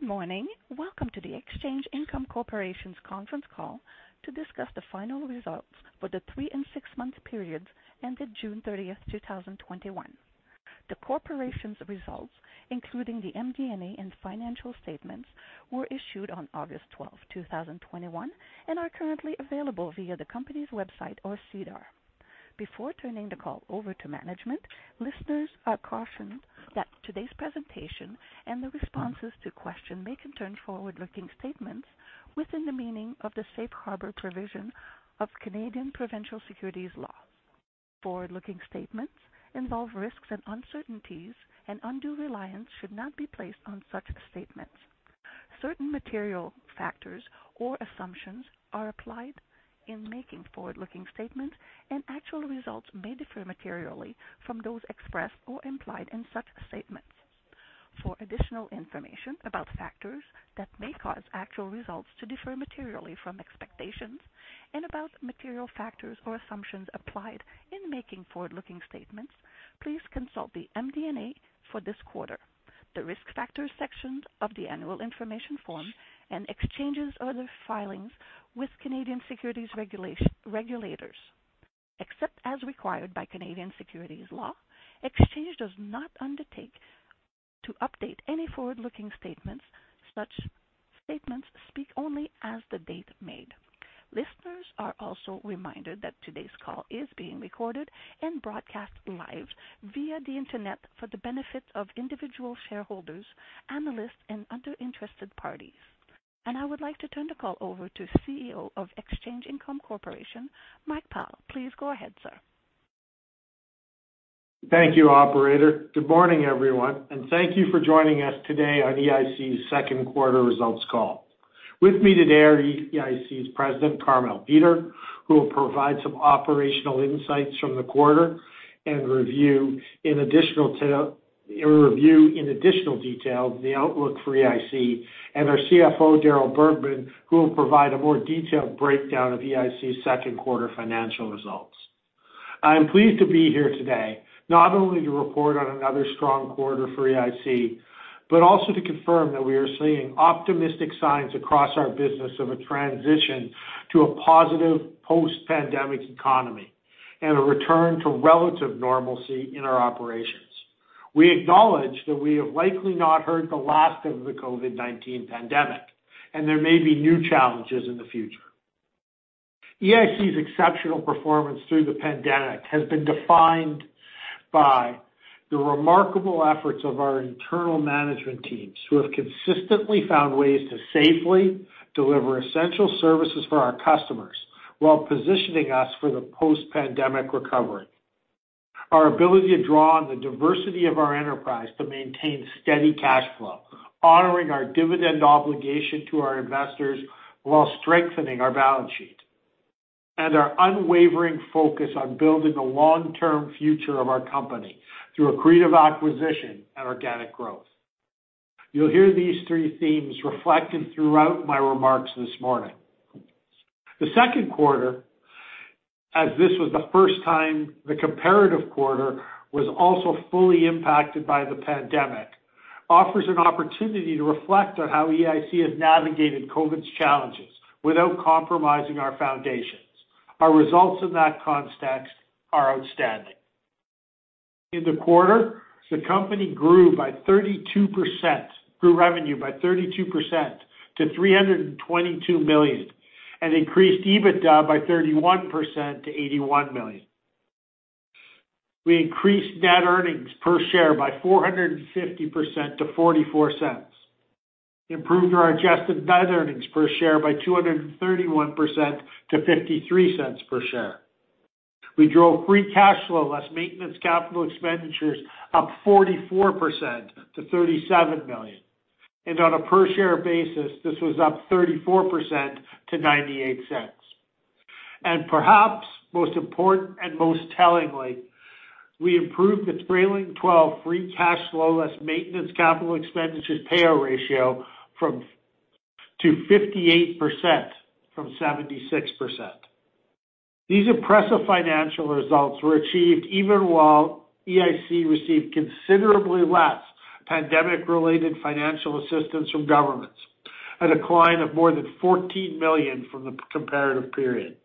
Good morning. Welcome to the Exchange Income Corporation's conference call to discuss the final results for the three and six month periods ended June 30th, 2021. The corporation's results, including the MD&A and financial statements, were issued on August 12th, 2021, and are currently available via the company's website or SEDAR. Before turning the call over to management, listeners are cautioned that today's presentation and the responses to questions may contain forward-looking statements within the meaning of the safe harbor provision of Canadian provincial securities laws. Forward-looking statements involve risks and uncertainties, and undue reliance should not be placed on such statements. Certain material factors or assumptions are applied in making forward-looking statements, and actual results may differ materially from those expressed or implied in such statements. For additional information about factors that may cause actual results to differ materially from expectations and about material factors or assumptions applied in making forward-looking statements, please consult the MD&A for this quarter, the Risk Factors sections of the Annual Information Form, and Exchange's other filings with Canadian securities regulators. Except as required by Canadian securities law, Exchange does not undertake to update any forward-looking statements. Such statements speak only as the date made. Listeners are also reminded that today's call is being recorded and broadcast live via the internet for the benefit of individual shareholders, analysts, and other interested parties. I would like to turn the call over to CEO of Exchange Income Corporation, Mike Pyle. Please go ahead, sir. Thank you, operator. Good morning, everyone, and thank you for joining us today on EIC's second quarter results call. With me today are EIC's President, Carmele Peter, who will provide some operational insights from the quarter and review in additional detail the outlook for EIC, and our CFO, Darryl Bergman, who will provide a more detailed breakdown of EIC's second quarter financial results. I am pleased to be here today, not only to report on another strong quarter for EIC, but also to confirm that we are seeing optimistic signs across our business of a transition to a positive post-pandemic economy and a return to relative normalcy in our operations. We acknowledge that we have likely not heard the last of the COVID-19 pandemic, and there may be new challenges in the future. EIC's exceptional performance through the pandemic has been defined by the remarkable efforts of our internal management teams, who have consistently found ways to safely deliver essential services for our customers while positioning us for the post-pandemic recovery. Our ability to draw on the diversity of our enterprise to maintain steady cash flow, honoring our dividend obligation to our investors while strengthening our balance sheet, and our unwavering focus on building the long-term future of our company through accretive acquisition and organic growth. You'll hear these three themes reflected throughout my remarks this morning. The second quarter, as this was the first time the comparative quarter was also fully impacted by the pandemic, offers an opportunity to reflect on how EIC has navigated COVID-19's challenges without compromising our foundations. Our results in that context are outstanding. In the quarter, the company grew revenue by 32% to 322 million and increased EBITDA by 31% to 81 million. We increased net earnings per share by 450% to 0.44, improved our adjusted net earnings per share by 231% to 0.53 per share. We drove free cash flow, less maintenance capital expenditures, up 44% to 37 million. On a per-share basis, this was up 34% to 0.98. Perhaps most important and most tellingly, we improved the trailing 12 free cash flow, less maintenance capital expenditures payout ratio to 58% from 76%. These impressive financial results were achieved even while EIC received considerably less pandemic-related financial assistance from governments at a decline of more than 14 million from the comparative period.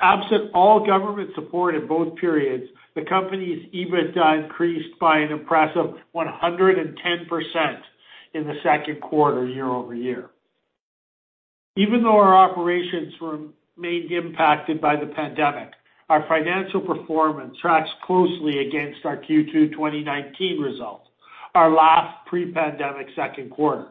Absent all government support in both periods, the company's EBITDA increased by an impressive 110% in the second quarter year-over-year. Even though our operations remained impacted by the pandemic, our financial performance tracks closely against our Q2 2019 results, our last pre-pandemic second quarter.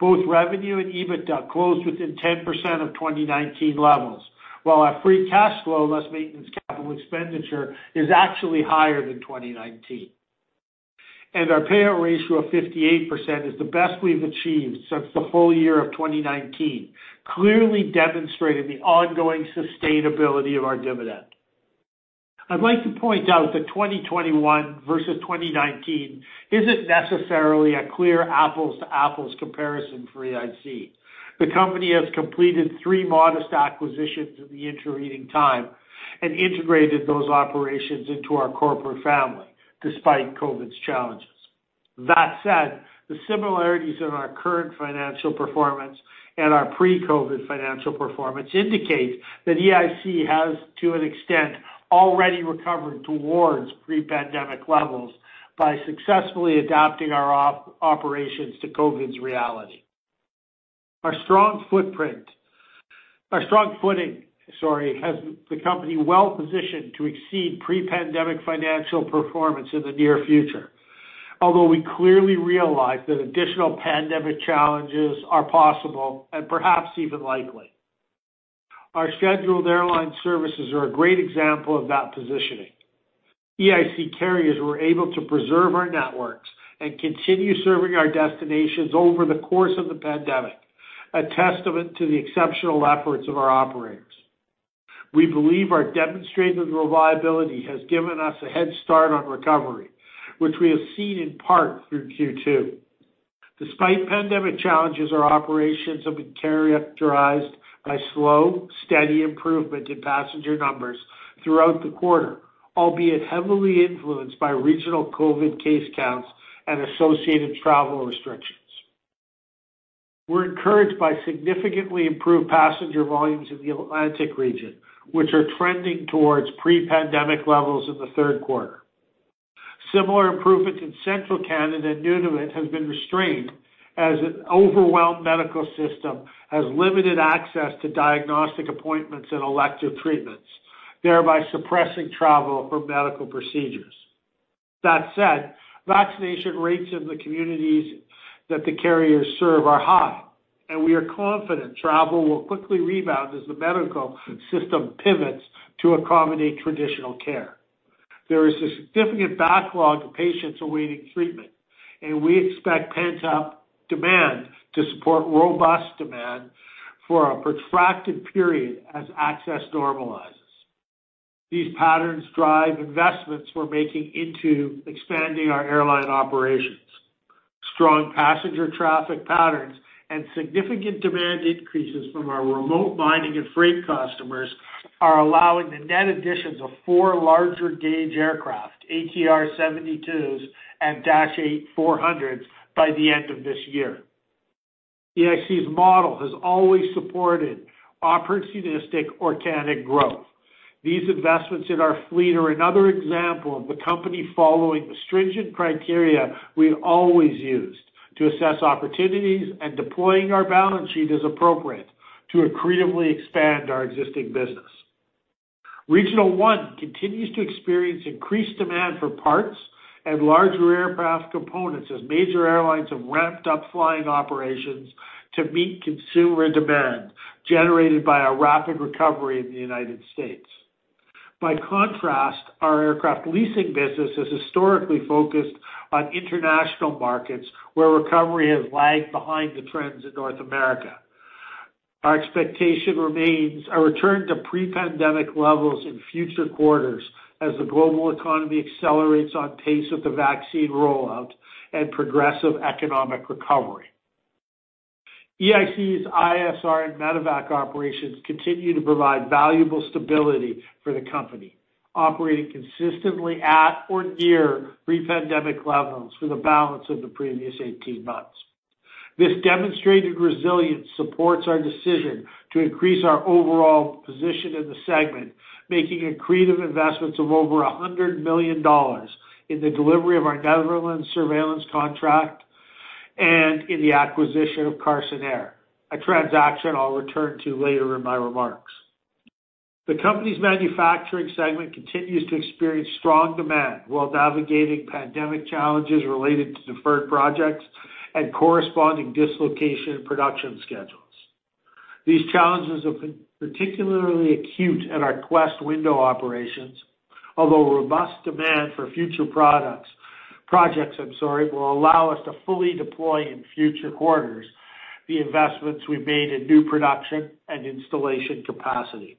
Both revenue and EBITDA closed within 10% of 2019 levels, while our free cash flow, less maintenance capital expenditure, is actually higher than 2019. Our payout ratio of 58% is the best we've achieved since the whole year of 2019, clearly demonstrating the ongoing sustainability of our dividend. I'd like to point out that 2021 versus 2019 isn't necessarily a clear apples to apples comparison for EIC. The company has completed three modest acquisitions in the intervening time and integrated those operations into our corporate family despite COVID's challenges. That said, the similarities in our current financial performance and our pre-COVID financial performance indicate that EIC has, to an extent, already recovered towards pre-pandemic levels by successfully adapting our operations to COVID's reality. Our strong footing has the company well-positioned to exceed pre-pandemic financial performance in the near future. Although we clearly realize that additional pandemic challenges are possible and perhaps even likely. Our scheduled airline services are a great example of that positioning. EIC carriers were able to preserve our networks and continue serving our destinations over the course of the pandemic, a testament to the exceptional efforts of our operators. We believe our demonstrated reliability has given us a head start on recovery, which we have seen in part through Q2. Despite pandemic challenges, our operations have been characterized by slow, steady improvement in passenger numbers throughout the quarter, albeit heavily influenced by regional COVID case counts and associated travel restrictions. We're encouraged by significantly improved passenger volumes in the Atlantic region, which are trending towards pre-pandemic levels in the third quarter. Similar improvements in Central Canada and Nunavut has been restrained, as an overwhelmed medical system has limited access to diagnostic appointments and elective treatments, thereby suppressing travel for medical procedures. That said, vaccination rates in the communities that the carriers serve are high, and we are confident travel will quickly rebound as the medical system pivots to accommodate traditional care. There is a significant backlog of patients awaiting treatment, and we expect pent-up demand to support robust demand for a protracted period as access normalizes. These patterns drive investments we're making into expanding our airline operations. Strong passenger traffic patterns and significant demand increases from our remote mining and freight customers are allowing the net additions of four larger gauge aircraft, ATR 72s and Dash 8-400s, by the end of this year. EIC's model has always supported opportunistic organic growth. These investments in our fleet are another example of the company following the stringent criteria we've always used to assess opportunities and deploying our balance sheet as appropriate to accretively expand our existing business. Regional One continues to experience increased demand for parts and larger aircraft components as major airlines have ramped up flying operations to meet consumer demand generated by a rapid recovery in the United States. By contrast, our aircraft leasing business is historically focused on international markets, where recovery has lagged behind the trends in North America. Our expectation remains a return to pre-pandemic levels in future quarters as the global economy accelerates on pace with the vaccine rollout and progressive economic recovery. EIC's ISR and Medevac operations continue to provide valuable stability for the company, operating consistently at or near pre-pandemic levels for the balance of the previous 18 months. This demonstrated resilience supports our decision to increase our overall position in the segment, making accretive investments of over 100 million dollars in the delivery of our Netherlands surveillance contract and in the acquisition of Carson Air, a transaction I'll return to later in my remarks. The company's manufacturing segment continues to experience strong demand while navigating pandemic challenges related to deferred projects and corresponding dislocation in production schedules. These challenges have been particularly acute at our Quest window operations, although robust demand for future projects will allow us to fully deploy in future quarters the investments we've made in new production and installation capacity.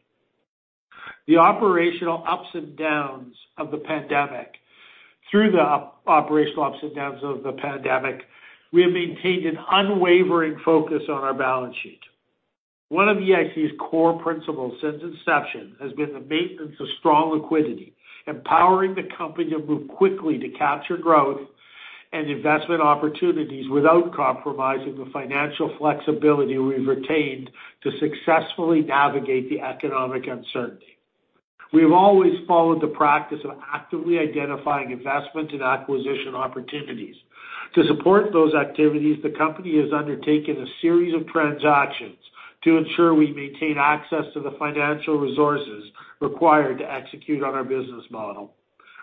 Through the operational ups and downs of the pandemic, we have maintained an unwavering focus on our balance sheet. One of EIC's core principles since inception has been the maintenance of strong liquidity, empowering the company to move quickly to capture growth and investment opportunities without compromising the financial flexibility we've retained to successfully navigate the economic uncertainty. We've always followed the practice of actively identifying investment and acquisition opportunities. To support those activities, the company has undertaken a series of transactions to ensure we maintain access to the financial resources required to execute on our business model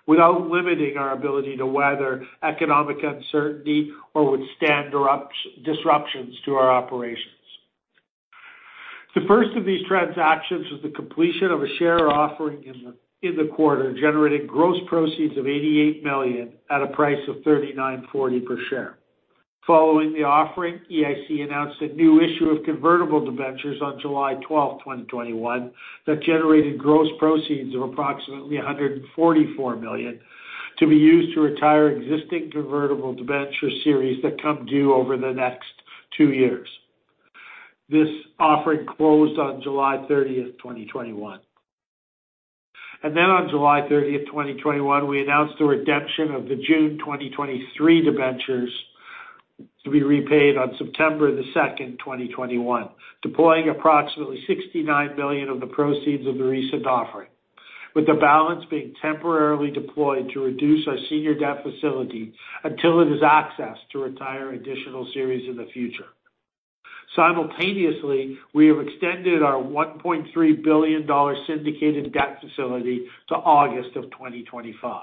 without limiting our ability to weather economic uncertainty or withstand disruptions to our operations. The first of these transactions was the completion of a share offering in the quarter, generating gross proceeds of 88 million at a price of 39.40 per share. Following the offering, EIC announced a new issue of convertible debentures on July 12th, 2021, that generated gross proceeds of approximately 144 million to be used to retire existing convertible debenture series that come due over the next two years. This offering closed on July 30th, 2021. On July 30th, 2021, we announced the redemption of the June 2023 debentures to be repaid on September 2nd, 2021, deploying approximately 69 million of the proceeds of the recent offering, with the balance being temporarily deployed to reduce our senior debt facility until it is accessed to retire additional series in the future. Simultaneously, we have extended our 1.3 billion dollar syndicated debt facility to August of 2025.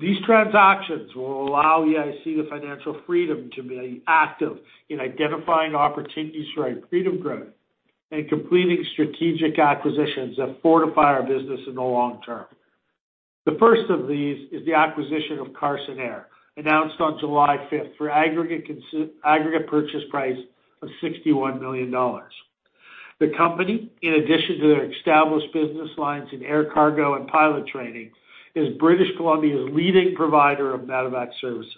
These transactions will allow EIC the financial freedom to be active in identifying opportunities for accretive growth and completing strategic acquisitions that fortify our business in the long term. The first of these is the acquisition of Carson Air, announced on July 5th, for aggregate purchase price of 61 million dollars. The company, in addition to their established business lines in air cargo and pilot training, is British Columbia's leading provider of medevac services.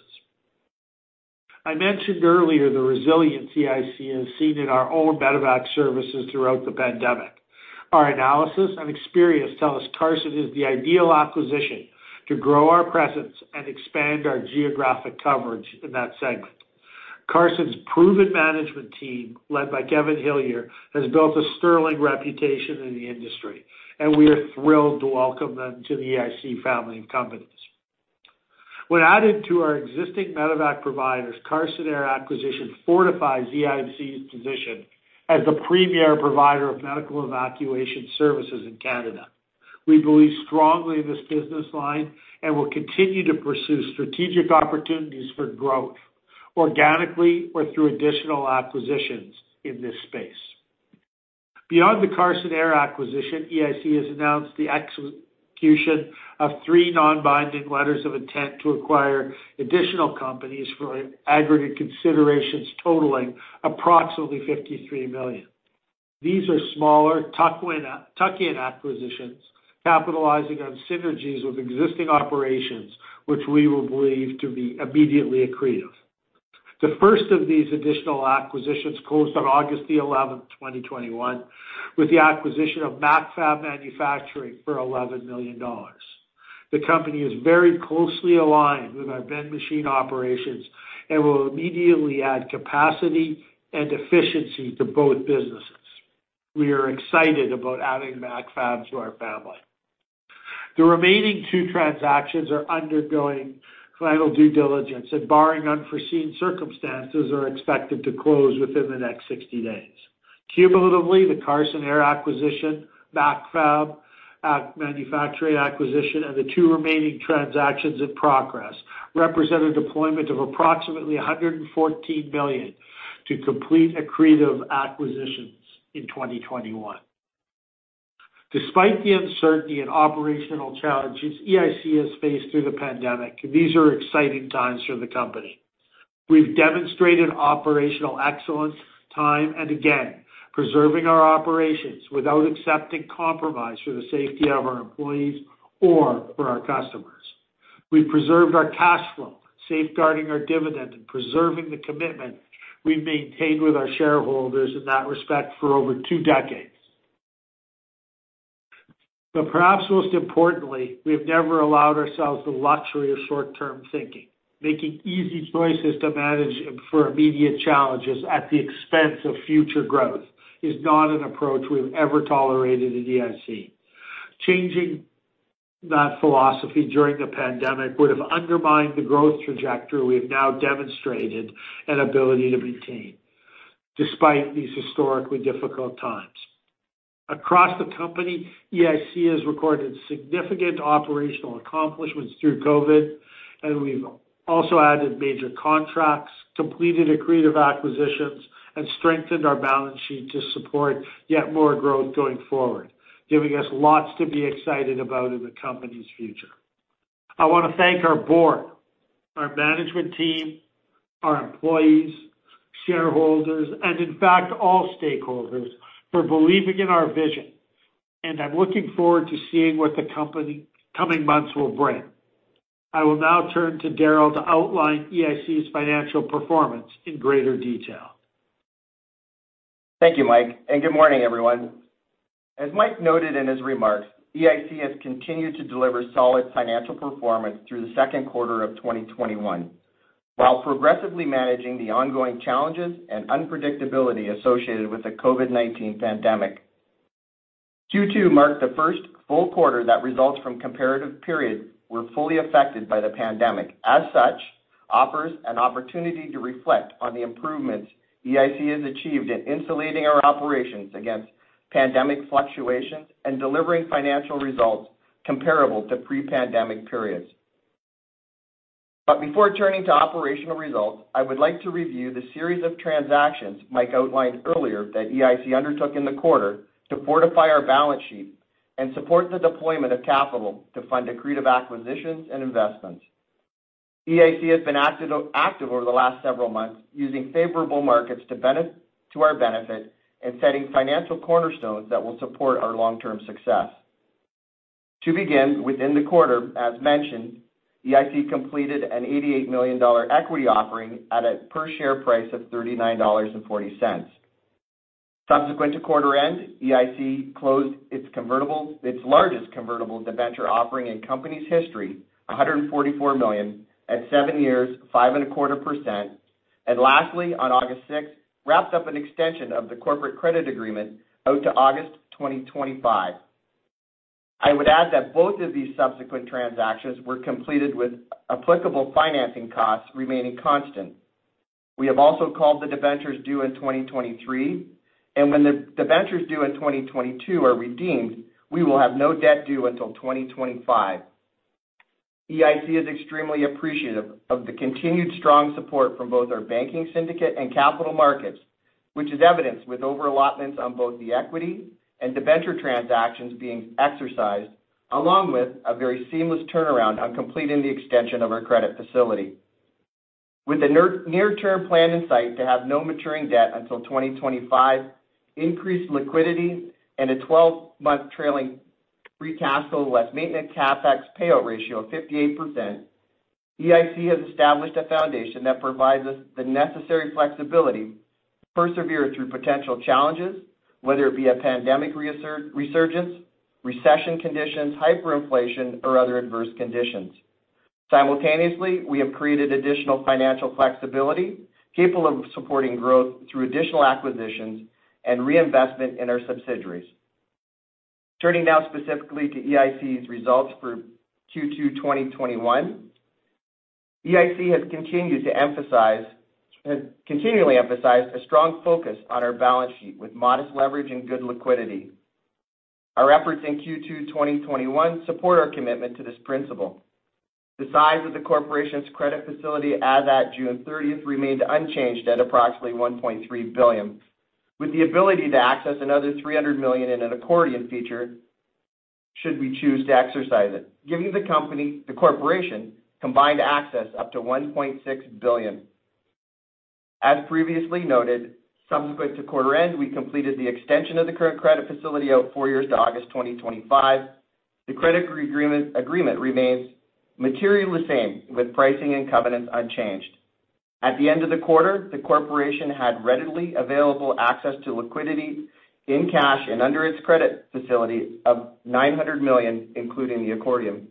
I mentioned earlier the resilience EIC has seen in our own medevac services throughout the pandemic. Our analysis and experience tell us Carson is the ideal acquisition to grow our presence and expand our geographic coverage in that segment. Carson's proven management team, led by Kevin Hillier, has built a sterling reputation in the industry, and we are thrilled to welcome them to the EIC family of companies. When added to our existing medevac providers, Carson Air acquisition fortifies EIC's position as the premier provider of medical evacuation services in Canada. We believe strongly in this business line and will continue to pursue strategic opportunities for growth, organically or through additional acquisitions in this space. Beyond the Carson Air acquisition, EIC has announced the execution of three non-binding letters of intent to acquire additional companies for aggregate considerations totaling approximately 53 million. These are smaller tuck-in acquisitions capitalizing on synergies with existing operations, which we believe to be immediately accretive. The first of these additional acquisitions closed on August 11th, 2021 with the acquisition of Macfab Manufacturing for 11 million dollars. The company is very closely aligned with our Ben Machine operations and will immediately add capacity and efficiency to both businesses. We are excited about adding Macfab to our family. The remaining two transactions are undergoing final due diligence and barring unforeseen circumstances, are expected to close within the next 60 days. Cumulatively, the Carson Air acquisition, Macfab Manufacturing acquisition, and the two remaining transactions in progress represent a deployment of approximately 114 million to complete accretive acquisitions in 2021. Despite the uncertainty and operational challenges EIC has faced through the pandemic, these are exciting times for the company. We've demonstrated operational excellence time and again, preserving our operations without accepting compromise for the safety of our employees or for our customers. We've preserved our cash flow, safeguarding our dividend, and preserving the commitment we've maintained with our shareholders in that respect for over two decades. Perhaps most importantly, we have never allowed ourselves the luxury of short-term thinking. Making easy choices to manage for immediate challenges at the expense of future growth is not an approach we've ever tolerated at EIC. Changing that philosophy during the pandemic would have undermined the growth trajectory we have now demonstrated an ability to maintain, despite these historically difficult times. Across the company, EIC has recorded significant operational accomplishments through COVID, and we've also added major contracts, completed accretive acquisitions, and strengthened our balance sheet to support yet more growth going forward, giving us lots to be excited about in the company's future. I want to thank our board, our management team, our employees, shareholders, and in fact, all stakeholders for believing in our vision, and I'm looking forward to seeing what the coming months will bring. I will now turn to Darryl to outline EIC's financial performance in greater detail. Thank you, Mike, and good morning, everyone. As Mike noted in his remarks, EIC has continued to deliver solid financial performance through the second quarter of 2021, while progressively managing the ongoing challenges and unpredictability associated with the COVID-19 pandemic. Q2 marked the first full quarter that results from comparative periods were fully affected by the pandemic. As such, offers an opportunity to reflect on the improvements EIC has achieved in insulating our operations against pandemic fluctuations and delivering financial results comparable to pre-pandemic periods. Before turning to operational results, I would like to review the series of transactions Mike outlined earlier that EIC undertook in the quarter to fortify our balance sheet and support the deployment of capital to fund accretive acquisitions and investments. EIC has been active over the last several months, using favorable markets to our benefit and setting financial cornerstones that will support our long-term success. To begin, within the quarter, as mentioned, EIC completed a 88 million dollar equity offering at a per-share price of 39.40 dollars. Subsequent to quarter end, EIC closed its largest convertible debenture offering in company's history, 144 million at seven years, 5.25%. Lastly, on August 6th, wrapped up an extension of the corporate credit agreement out to August 2025. I would add that both of these subsequent transactions were completed with applicable financing costs remaining constant. We have also called the debentures due in 2023. When the debentures due in 2022 are redeemed, we will have no debt due until 2025. EIC is extremely appreciative of the continued strong support from both our banking syndicate and capital markets, which is evidenced with over-allotments on both the equity and debenture transactions being exercised, along with a very seamless turnaround on completing the extension of our credit facility. With the near-term plan in sight to have no maturing debt until 2025, increased liquidity, and a 12-month trailing free cash flow less maintenance CapEx payout ratio of 58%, EIC has established a foundation that provides us the necessary flexibility to persevere through potential challenges, whether it be a pandemic resurgence, recession conditions, hyperinflation, or other adverse conditions. Simultaneously, we have created additional financial flexibility, capable of supporting growth through additional acquisitions and reinvestment in our subsidiaries. Turning now specifically to EIC's results for Q2 2021. EIC has continually emphasized a strong focus on our balance sheet with modest leverage and good liquidity. Our efforts in Q2 2021 support our commitment to this principle. The size of the corporation's credit facility as at June 30th remained unchanged at approximately 1.3 billion, with the ability to access another 300 million in an accordion feature should we choose to exercise it, giving the corporation combined access up to 1.6 billion. As previously noted, subsequent to quarter end, we completed the extension of the current credit facility out four years to August 2025. The credit agreement remains materially the same, with pricing and covenants unchanged. At the end of the quarter, the corporation had readily available access to liquidity in cash and under its credit facility of 900 million, including the accordion.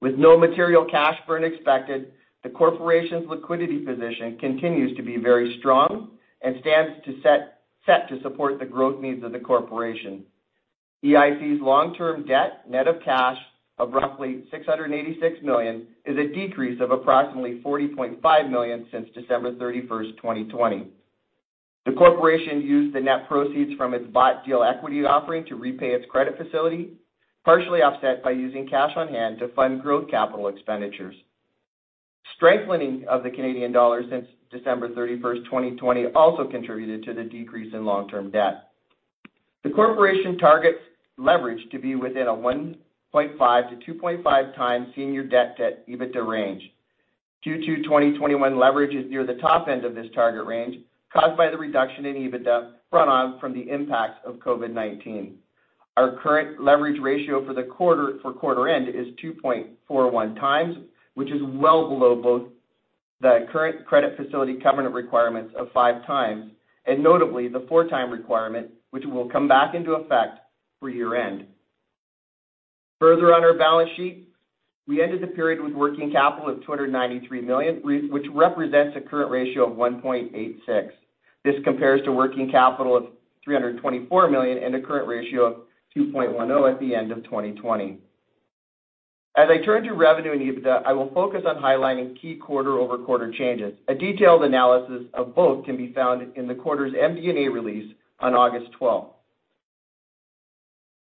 With no material cash burn expected, the corporation's liquidity position continues to be very strong and stands set to support the growth needs of the corporation. EIC's long-term debt, net of cash of roughly 686 million, is a decrease of approximately 40.5 million since December 31st, 2020. The corporation used the net proceeds from its bought deal equity offering to repay its credit facility, partially offset by using cash on hand to fund growth capital expenditures. Strengthening of the Canadian dollar since December 31st, 2020, also contributed to the decrease in long-term debt. The corporation targets leverage to be within a 1.5x-2.5x senior debt to EBITDA range. Q2 2021 leverage is near the top end of this target range, caused by the reduction in EBITDA front on from the impacts of COVID-19. Our current leverage ratio for quarter end is 2.41x, which is well below both the current credit facility covenant requirements of 5x, and notably the 4x requirement, which will come back into effect for year-end. Further on our balance sheet, we ended the period with working capital of 293 million, which represents a current ratio of 1.86. This compares to working capital of 324 million and a current ratio of 2.10 at the end of 2020. As I turn to revenue and EBITDA, I will focus on highlighting key quarter-over-quarter changes. A detailed analysis of both can be found in the quarter's MD&A release on August 12th.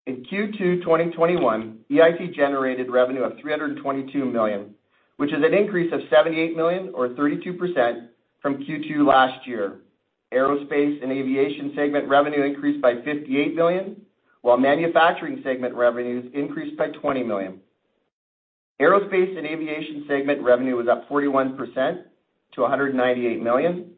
In Q2 2021, EIC generated revenue of 322 million, which is an increase of 78 million or 32% from Q2 last year. Aerospace and Aviation segment revenue increased by 58 million, while Manufacturing segment revenues increased by 20 million. Aerospace and Aviation segment revenue was up 41% to 198 million.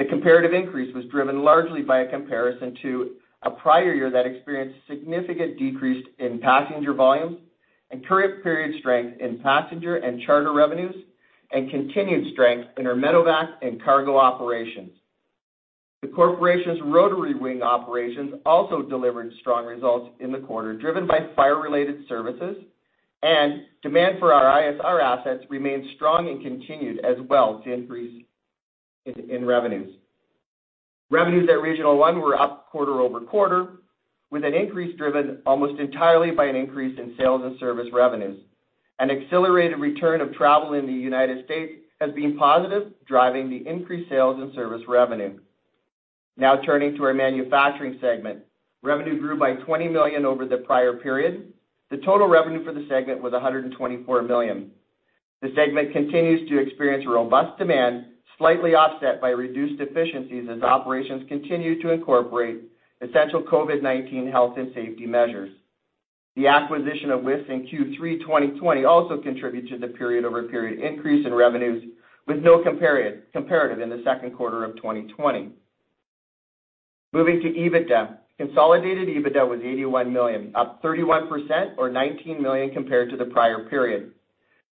The comparative increase was driven largely by a comparison to a prior year that experienced significant decrease in passenger volumes and current period strength in passenger and charter revenues, and continued strength in our medevac and cargo operations. The corporation's rotary wing operations also delivered strong results in the quarter, driven by fire-related services, and demand for our ISR assets remained strong and continued as well to increase in revenues. Revenues at Regional One were up quarter-over-quarter, with an increase driven almost entirely by an increase in sales and service revenues. An accelerated return of travel in the United States has been positive, driving the increased sales and service revenue. Turning to our Manufacturing segment. Revenue grew by 20 million over the prior period. The total revenue for the segment was 124 million. The segment continues to experience robust demand, slightly offset by reduced efficiencies as operations continue to incorporate essential COVID-19 health and safety measures. The acquisition of WISS in Q3 2020 also contributed to the period-over-period increase in revenues, with no comparative in the second quarter of 2020. Moving to EBITDA. Consolidated EBITDA was 81 million, up 31% or 19 million compared to the prior period.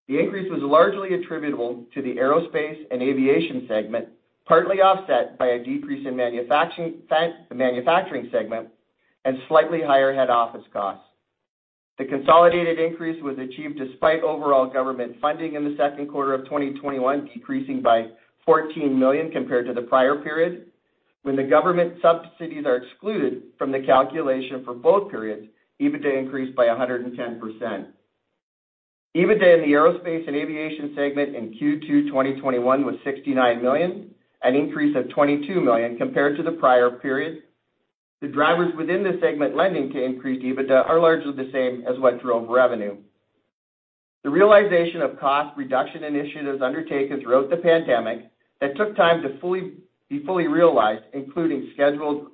The increase was largely attributable to the Aerospace and Aviation segment, partly offset by a decrease in the Manufacturing segment and slightly higher head office costs. The consolidated increase was achieved despite overall government funding in the second quarter of 2021 decreasing by 14 million compared to the prior period. When the government subsidies are excluded from the calculation for both periods, EBITDA increased by 110%. EBITDA in the aerospace and aviation segment in Q2 2021 was 69 million, an increase of 22 million compared to the prior period. The drivers within the segment lending to increased EBITDA are largely the same as what drove revenue. The realization of cost reduction initiatives undertaken throughout the pandemic that took time to be fully realized, including scheduled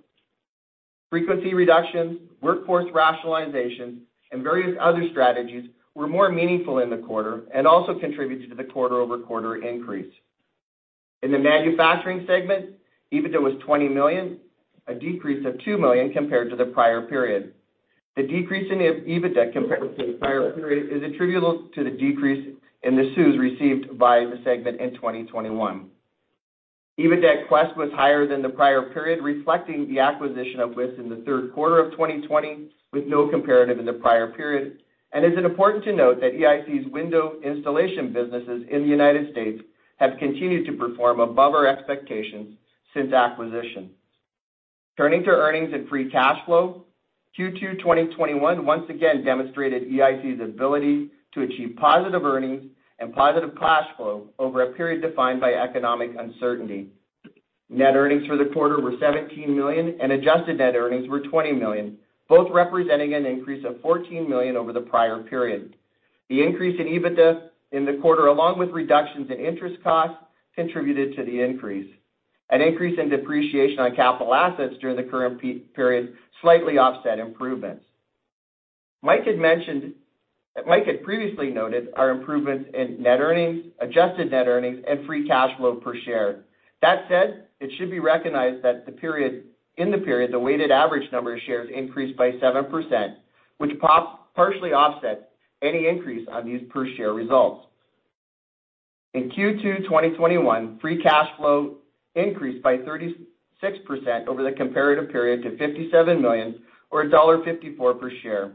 frequency reductions, workforce rationalization, and various other strategies, were more meaningful in the quarter and also contributed to the quarter-over-quarter increase. In the manufacturing segment, EBITDA was 20 million, a decrease of 2 million compared to the prior period. The decrease in EBITDA compared to the prior period is attributable to the decrease in the subsidies received by the segment in 2021. EBITDA at Quest was higher than the prior period, reflecting the acquisition of Wiss in the third quarter of 2020 with no comparative in the prior period. It's important to note that EIC's window installation businesses in the U.S. have continued to perform above our expectations since acquisition. Turning to earnings and free cash flow, Q2 2021 once again demonstrated EIC's ability to achieve positive earnings and positive cash flow over a period defined by economic uncertainty. Net earnings for the quarter were CAD 17 million and adjusted net earnings were CAD 20 million, both representing an increase of CAD 14 million over the prior period. The increase in EBITDA in the quarter, along with reductions in interest costs, contributed to the increase. An increase in depreciation on capital assets during the current period slightly offset improvements. Mike had previously noted our improvements in net earnings, adjusted net earnings, and free cash flow per share. That said, it should be recognized that in the period, the weighted average number of shares increased by 7%, which partially offsets any increase on these per share results. In Q2 2021, free cash flow increased by 36% over the comparative period to 57 million, or dollar 1.54 per share.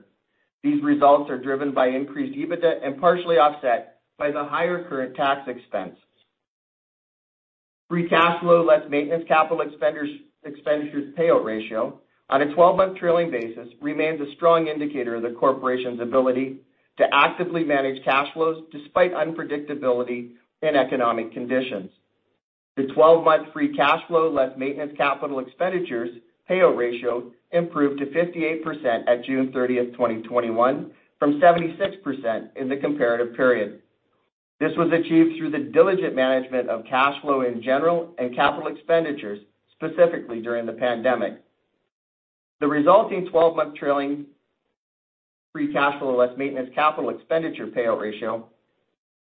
These results are driven by increased EBITDA and partially offset by the higher current tax expense. Free cash flow, less maintenance capital expenditures payout ratio on a 12-month trailing basis remains a strong indicator of the corporation's ability to actively manage cash flows despite unpredictability in economic conditions. The 12-month free cash flow, less maintenance capital expenditures payout ratio improved to 58% at June 30th, 2021 from 76% in the comparative period. This was achieved through the diligent management of cash flow in general and capital expenditures, specifically during the pandemic. The resulting 12-month trailing free cash flow, less maintenance capital expenditure payout ratio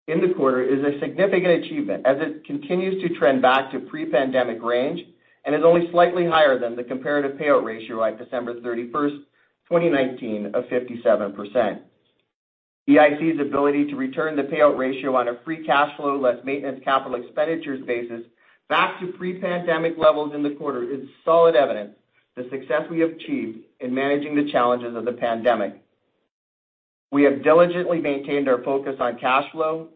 in the quarter is a significant achievement as it continues to trend back to pre-pandemic range and is only slightly higher than the comparative payout ratio at December 31st, 2019 of 57%. EIC's ability to return the payout ratio on a free cash flow, less maintenance capital expenditures basis back to pre-pandemic levels in the quarter is solid evidence the success we achieved in managing the challenges of the pandemic. We have diligently maintained our focus on cash flow,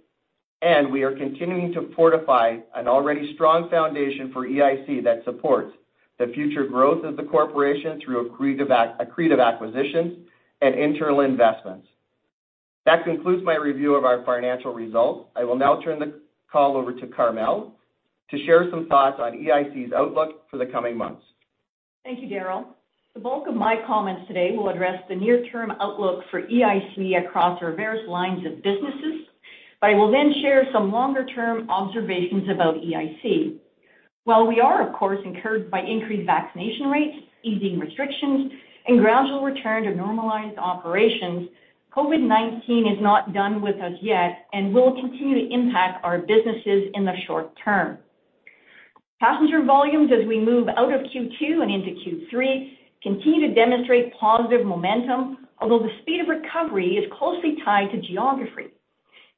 and we are continuing to fortify an already strong foundation for EIC that supports the future growth of the corporation through accretive acquisitions and internal investments. That concludes my review of our financial results. I will now turn the call over to Carmele to share some thoughts on EIC's outlook for the coming months. Thank you, Darryl. The bulk of my comments today will address the near-term outlook for EIC across our various lines of businesses. I will then share some longer-term observations about EIC. While we are, of course, encouraged by increased vaccination rates, easing restrictions, and gradual return to normalized operations, COVID-19 is not done with us yet and will continue to impact our businesses in the short term. Passenger volumes as we move out of Q2 and into Q3 continue to demonstrate positive momentum, although the speed of recovery is closely tied to geography.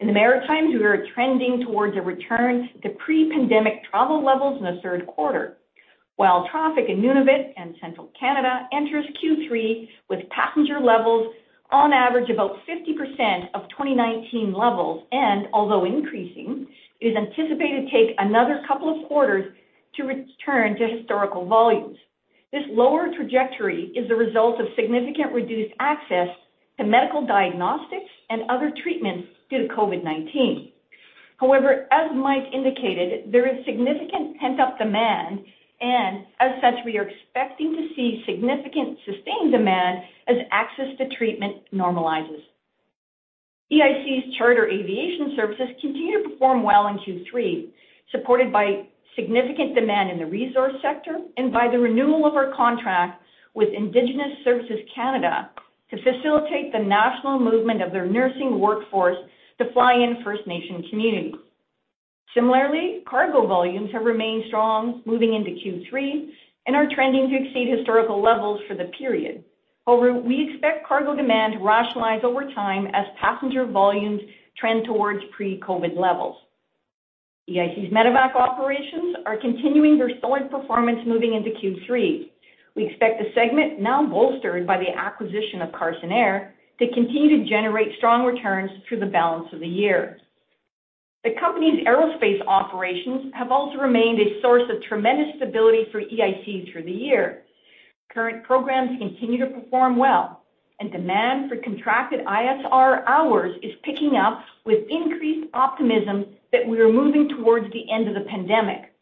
In the Maritimes, we are trending towards a return to pre-pandemic travel levels in the third quarter. While traffic in Nunavut and central Canada enters Q3 with passenger levels on average about 50% of 2019 levels, and although increasing, it is anticipated to take another couple of quarters to return to historical volumes. This lower trajectory is the result of significant reduced access to medical diagnostics and other treatments due to COVID-19. As Mike indicated, there is significant pent-up demand, and as such, we are expecting to see significant sustained demand as access to treatment normalizes. EIC's charter aviation services continue to perform well in Q3, supported by significant demand in the resource sector and by the renewal of our contract with Indigenous Services Canada to facilitate the national movement of their nursing workforce to fly in First Nation communities. Similarly, cargo volumes have remained strong moving into Q3 and are trending to exceed historical levels for the period. We expect cargo demand to rationalize over time as passenger volumes trend towards pre-COVID levels. EIC's medevac operations are continuing their solid performance moving into Q3. We expect the segment, now bolstered by the acquisition of Carson Air, to continue to generate strong returns through the balance of the year. The company's aerospace operations have also remained a source of tremendous stability for EIC through the year. Current programs continue to perform well, demand for contracted ISR hours is picking up with increased optimism that we are moving towards the end of the pandemic.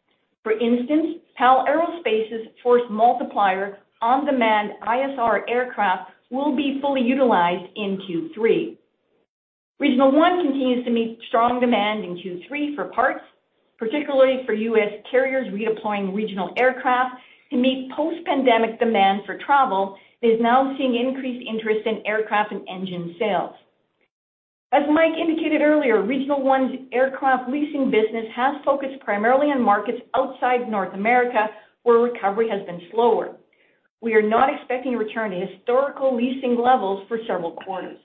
For instance, PAL Aerospace's Force Multiplier on-demand ISR aircraft will be fully utilized in Q3. Regional One continues to meet strong demand in Q3 for parts, particularly for U.S. carriers redeploying regional aircraft to meet post-pandemic demand for travel, and is now seeing increased interest in aircraft and engine sales. As Mike indicated earlier, Regional One's aircraft leasing business has focused primarily on markets outside North America, where recovery has been slower. We are not expecting a return to historical leasing levels for several quarters.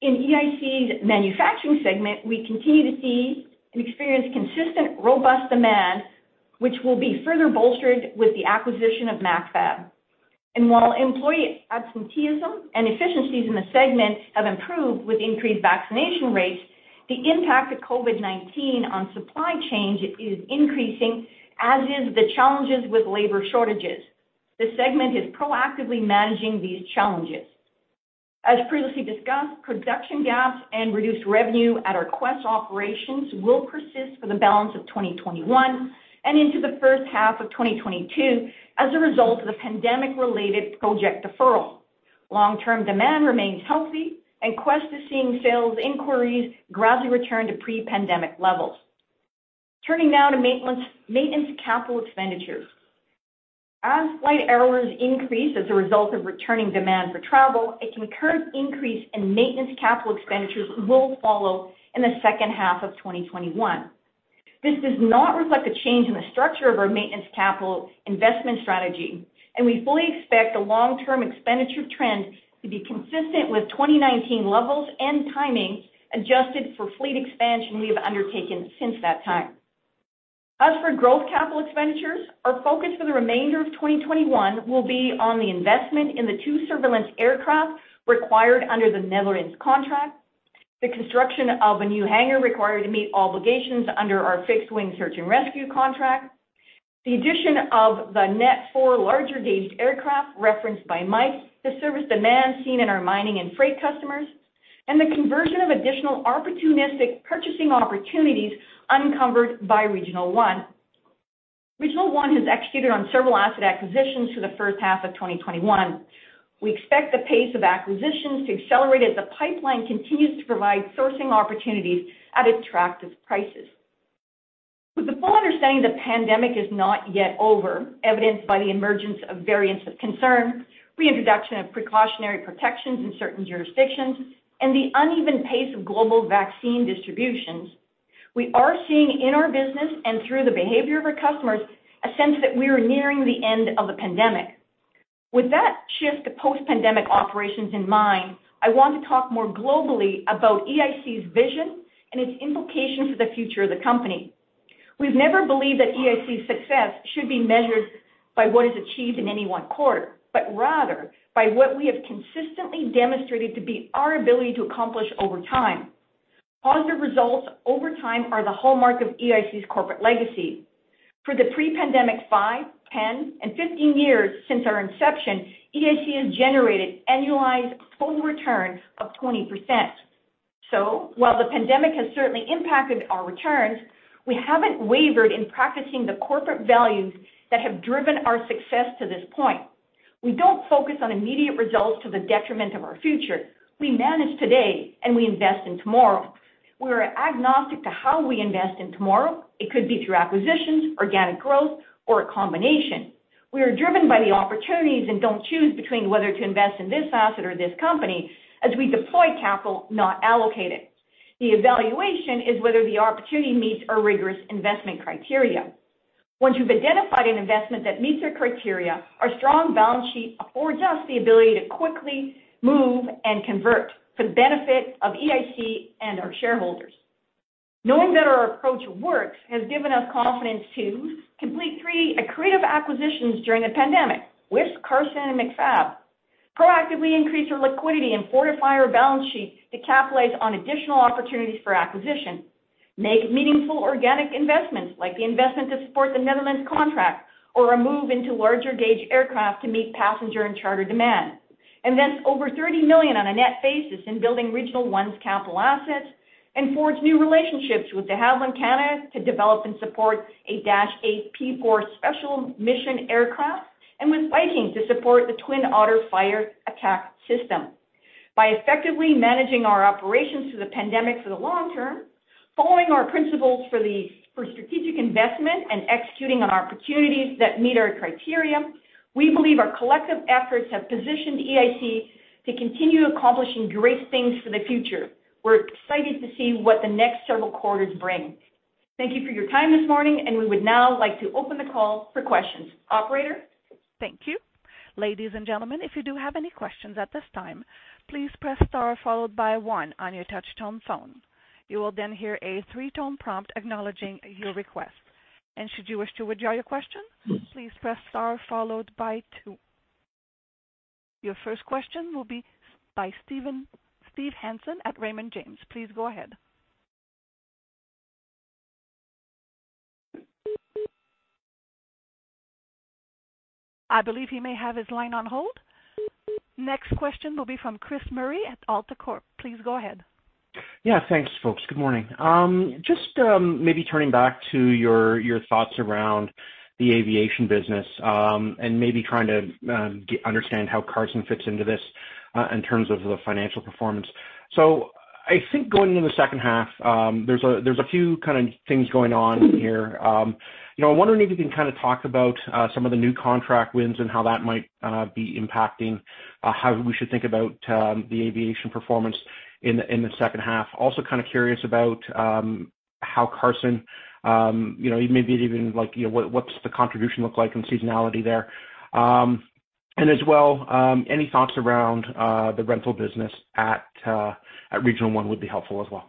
In EIC's manufacturing segment, we continue to see and experience consistent, robust demand, which will be further bolstered with the acquisition of Macfab. While employee absenteeism and efficiencies in the segment have improved with increased vaccination rates, the impact of COVID-19 on supply chains is increasing, as is the challenges with labor shortages. This segment is proactively managing these challenges. As previously discussed, production gaps and reduced revenue at our Quest operations will persist for the balance of 2021 and into the first half of 2022 as a result of the pandemic-related project deferral. Long-term demand remains healthy, and Quest is seeing sales inquiries gradually return to pre-pandemic levels. Turning now to maintenance capital expenditures. As flight hours increase as a result of returning demand for travel, a concurrent increase in maintenance capital expenditures will follow in the second half of 2021. This does not reflect a change in the structure of our maintenance capital investment strategy, and we fully expect the long-term expenditure trend to be consistent with 2019 levels and timing, adjusted for fleet expansion we have undertaken since that time. As for growth capital expenditures, our focus for the remainder of 2021 will be on the investment in the two surveillance aircraft required under the Netherlands contract, the construction of a new hangar required to meet obligations under our fixed-wing search and rescue contract, the addition of the Net four larger gauge aircraft referenced by Mike to service demand seen in our mining and freight customers, and the conversion of additional opportunistic purchasing opportunities uncovered by Regional One. Regional One has executed on several asset acquisitions through the first half of 2021. We expect the pace of acquisitions to accelerate as the pipeline continues to provide sourcing opportunities at attractive prices. With the full understanding the pandemic is not yet over, evidenced by the emergence of variants of concern, reintroduction of precautionary protections in certain jurisdictions, and the uneven pace of global vaccine distributions, we are seeing in our business and through the behavior of our customers a sense that we are nearing the end of the pandemic. With that shift to post-pandemic operations in mind, I want to talk more globally about EIC's vision and its implications for the future of the company. We've never believed that EIC's success should be measured by what is achieved in any one quarter, but rather by what we have consistently demonstrated to be our ability to accomplish over time. Positive results over time are the hallmark of EIC's corporate legacy. For the pre-pandemic five, 10, and 15 years since our inception, EIC has generated annualized total returns of 20%. While the pandemic has certainly impacted our returns, we haven't wavered in practicing the corporate values that have driven our success to this point. We don't focus on immediate results to the detriment of our future. We manage today, and we invest in tomorrow. We are agnostic to how we invest in tomorrow. It could be through acquisitions, organic growth, or a combination. We are driven by the opportunities and don't choose between whether to invest in this asset or this company, as we deploy capital, not allocate it. The evaluation is whether the opportunity meets our rigorous investment criteria. Once we've identified an investment that meets our criteria, our strong balance sheet affords us the ability to quickly move and convert for the benefit of EIC and our shareholders. Knowing that our approach works has given us confidence to complete three accretive acquisitions during the pandemic, Wisk, Carson, and Macfab, proactively increase our liquidity and fortify our balance sheet to capitalize on additional opportunities for acquisition, make meaningful organic investments, like the investment to support the Netherlands contract, or a move into larger gauge aircraft to meet passenger and charter demand, invest over 30 million on a net basis in building Regional One's capital assets, and forge new relationships with De Havilland Canada to develop and support a Dash 8 P-4 special mission aircraft, and with Viking to support the Twin Otter fire attack system. By effectively managing our operations through the pandemic for the long term, following our principles for strategic investment and executing on opportunities that meet our criteria, we believe our collective efforts have positioned EIC to continue accomplishing great things for the future. We're excited to see what the next several quarters bring. Thank you for your time this morning, and we would now like to open the call for questions. Operator? Thank you. Ladies and gentlemen, Your first question will be by Steve Hansen at Raymond James. Please go ahead. I believe he may have his line on hold. Next question will be from Chris Murray at AltaCorp Capital. Please go ahead. Yeah, thanks, folks. Good morning. Just maybe turning back to your thoughts around the aviation business, and maybe trying to understand how Carson fits into this, in terms of the financial performance. I think going into the second half, there's a few things going on here. I'm wondering if you can talk about some of the new contract wins and how that might be impacting how we should think about the aviation performance in the second half. Also curious about how Carson, maybe even what's the contribution look like in seasonality there. As well, any thoughts around the rental business at Regional One would be helpful as well.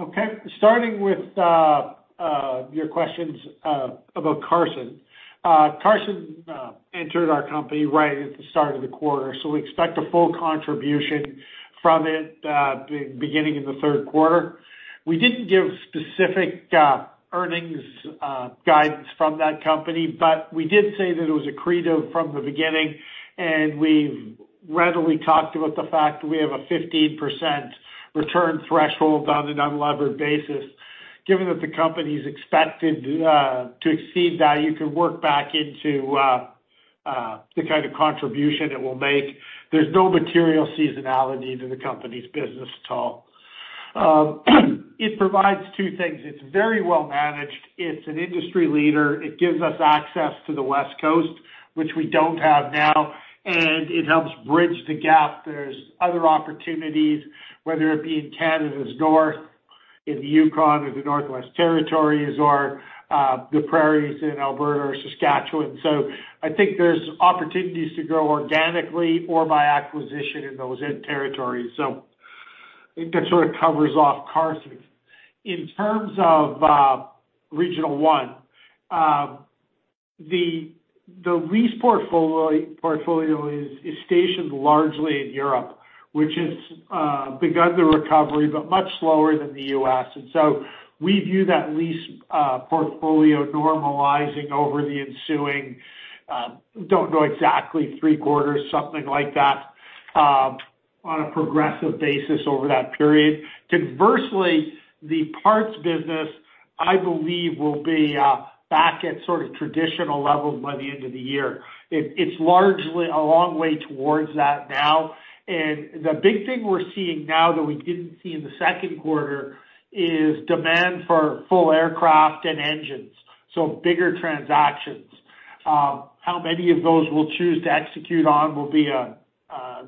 Okay. Starting with your questions about Carson. Carson entered our company right at the start of the quarter. We expect a full contribution from it, beginning in the third quarter. We didn't give specific earnings guidance from that company. We did say that it was accretive from the beginning. We've readily talked about the fact that we have a 15% return threshold on an unlevered basis. Given that the company's expected to exceed that, you can work back into the kind of contribution it will make. There's no material seasonality to the company's business at all. It provides two things. It's very well managed. It's an industry leader. It gives us access to the West Coast, which we don't have now. It helps bridge the gap. There's other opportunities, whether it be in Canada's North, in the Yukon or the Northwest Territories or the prairies in Alberta or Saskatchewan. I think there's opportunities to grow organically or by acquisition in those end territories. I think that sort of covers off Carson. In terms of Regional One, the lease portfolio is stationed largely in Europe, which has begun the recovery, but much slower than the U.S. We view that lease portfolio normalizing over the ensuing, don't know exactly, three quarters, something like that, on a progressive basis over that period. Conversely, the parts business, I believe, will be back at traditional levels by the end of the year. It's largely a long way towards that now. The big thing we're seeing now that we didn't see in the second quarter is demand for full aircraft and engines. Bigger transactions. How many of those we'll choose to execute on will be a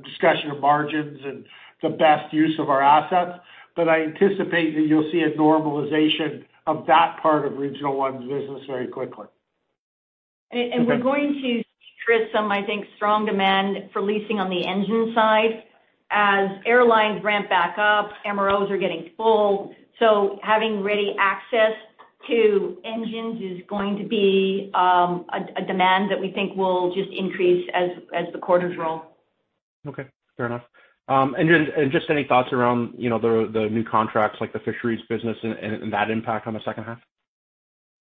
discussion of margins and the best use of our assets. I anticipate that you'll see a normalization of that part of Regional One's business very quickly. We're going to see, Chris, some, I think, strong demand for leasing on the engine side. As airlines ramp back up, MROs are getting full. Having ready access to engines is going to be a demand that we think will just increase as the quarters roll. Okay, fair enough. Just any thoughts around the new contracts, like the fisheries business and that impact on the second half?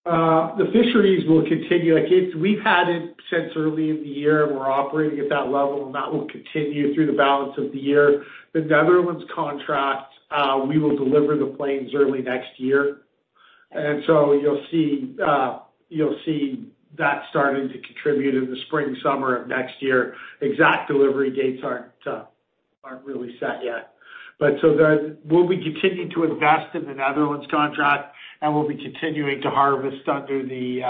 The fisheries will continue. We've had it since early in the year and we're operating at that level, and that will continue through the balance of the year. The Netherlands contract, we will deliver the planes early next year. You'll see that starting to contribute in the spring, summer of next year. Exact delivery dates aren't really set yet. We'll be continuing to invest in the Netherlands contract, and we'll be continuing to harvest under the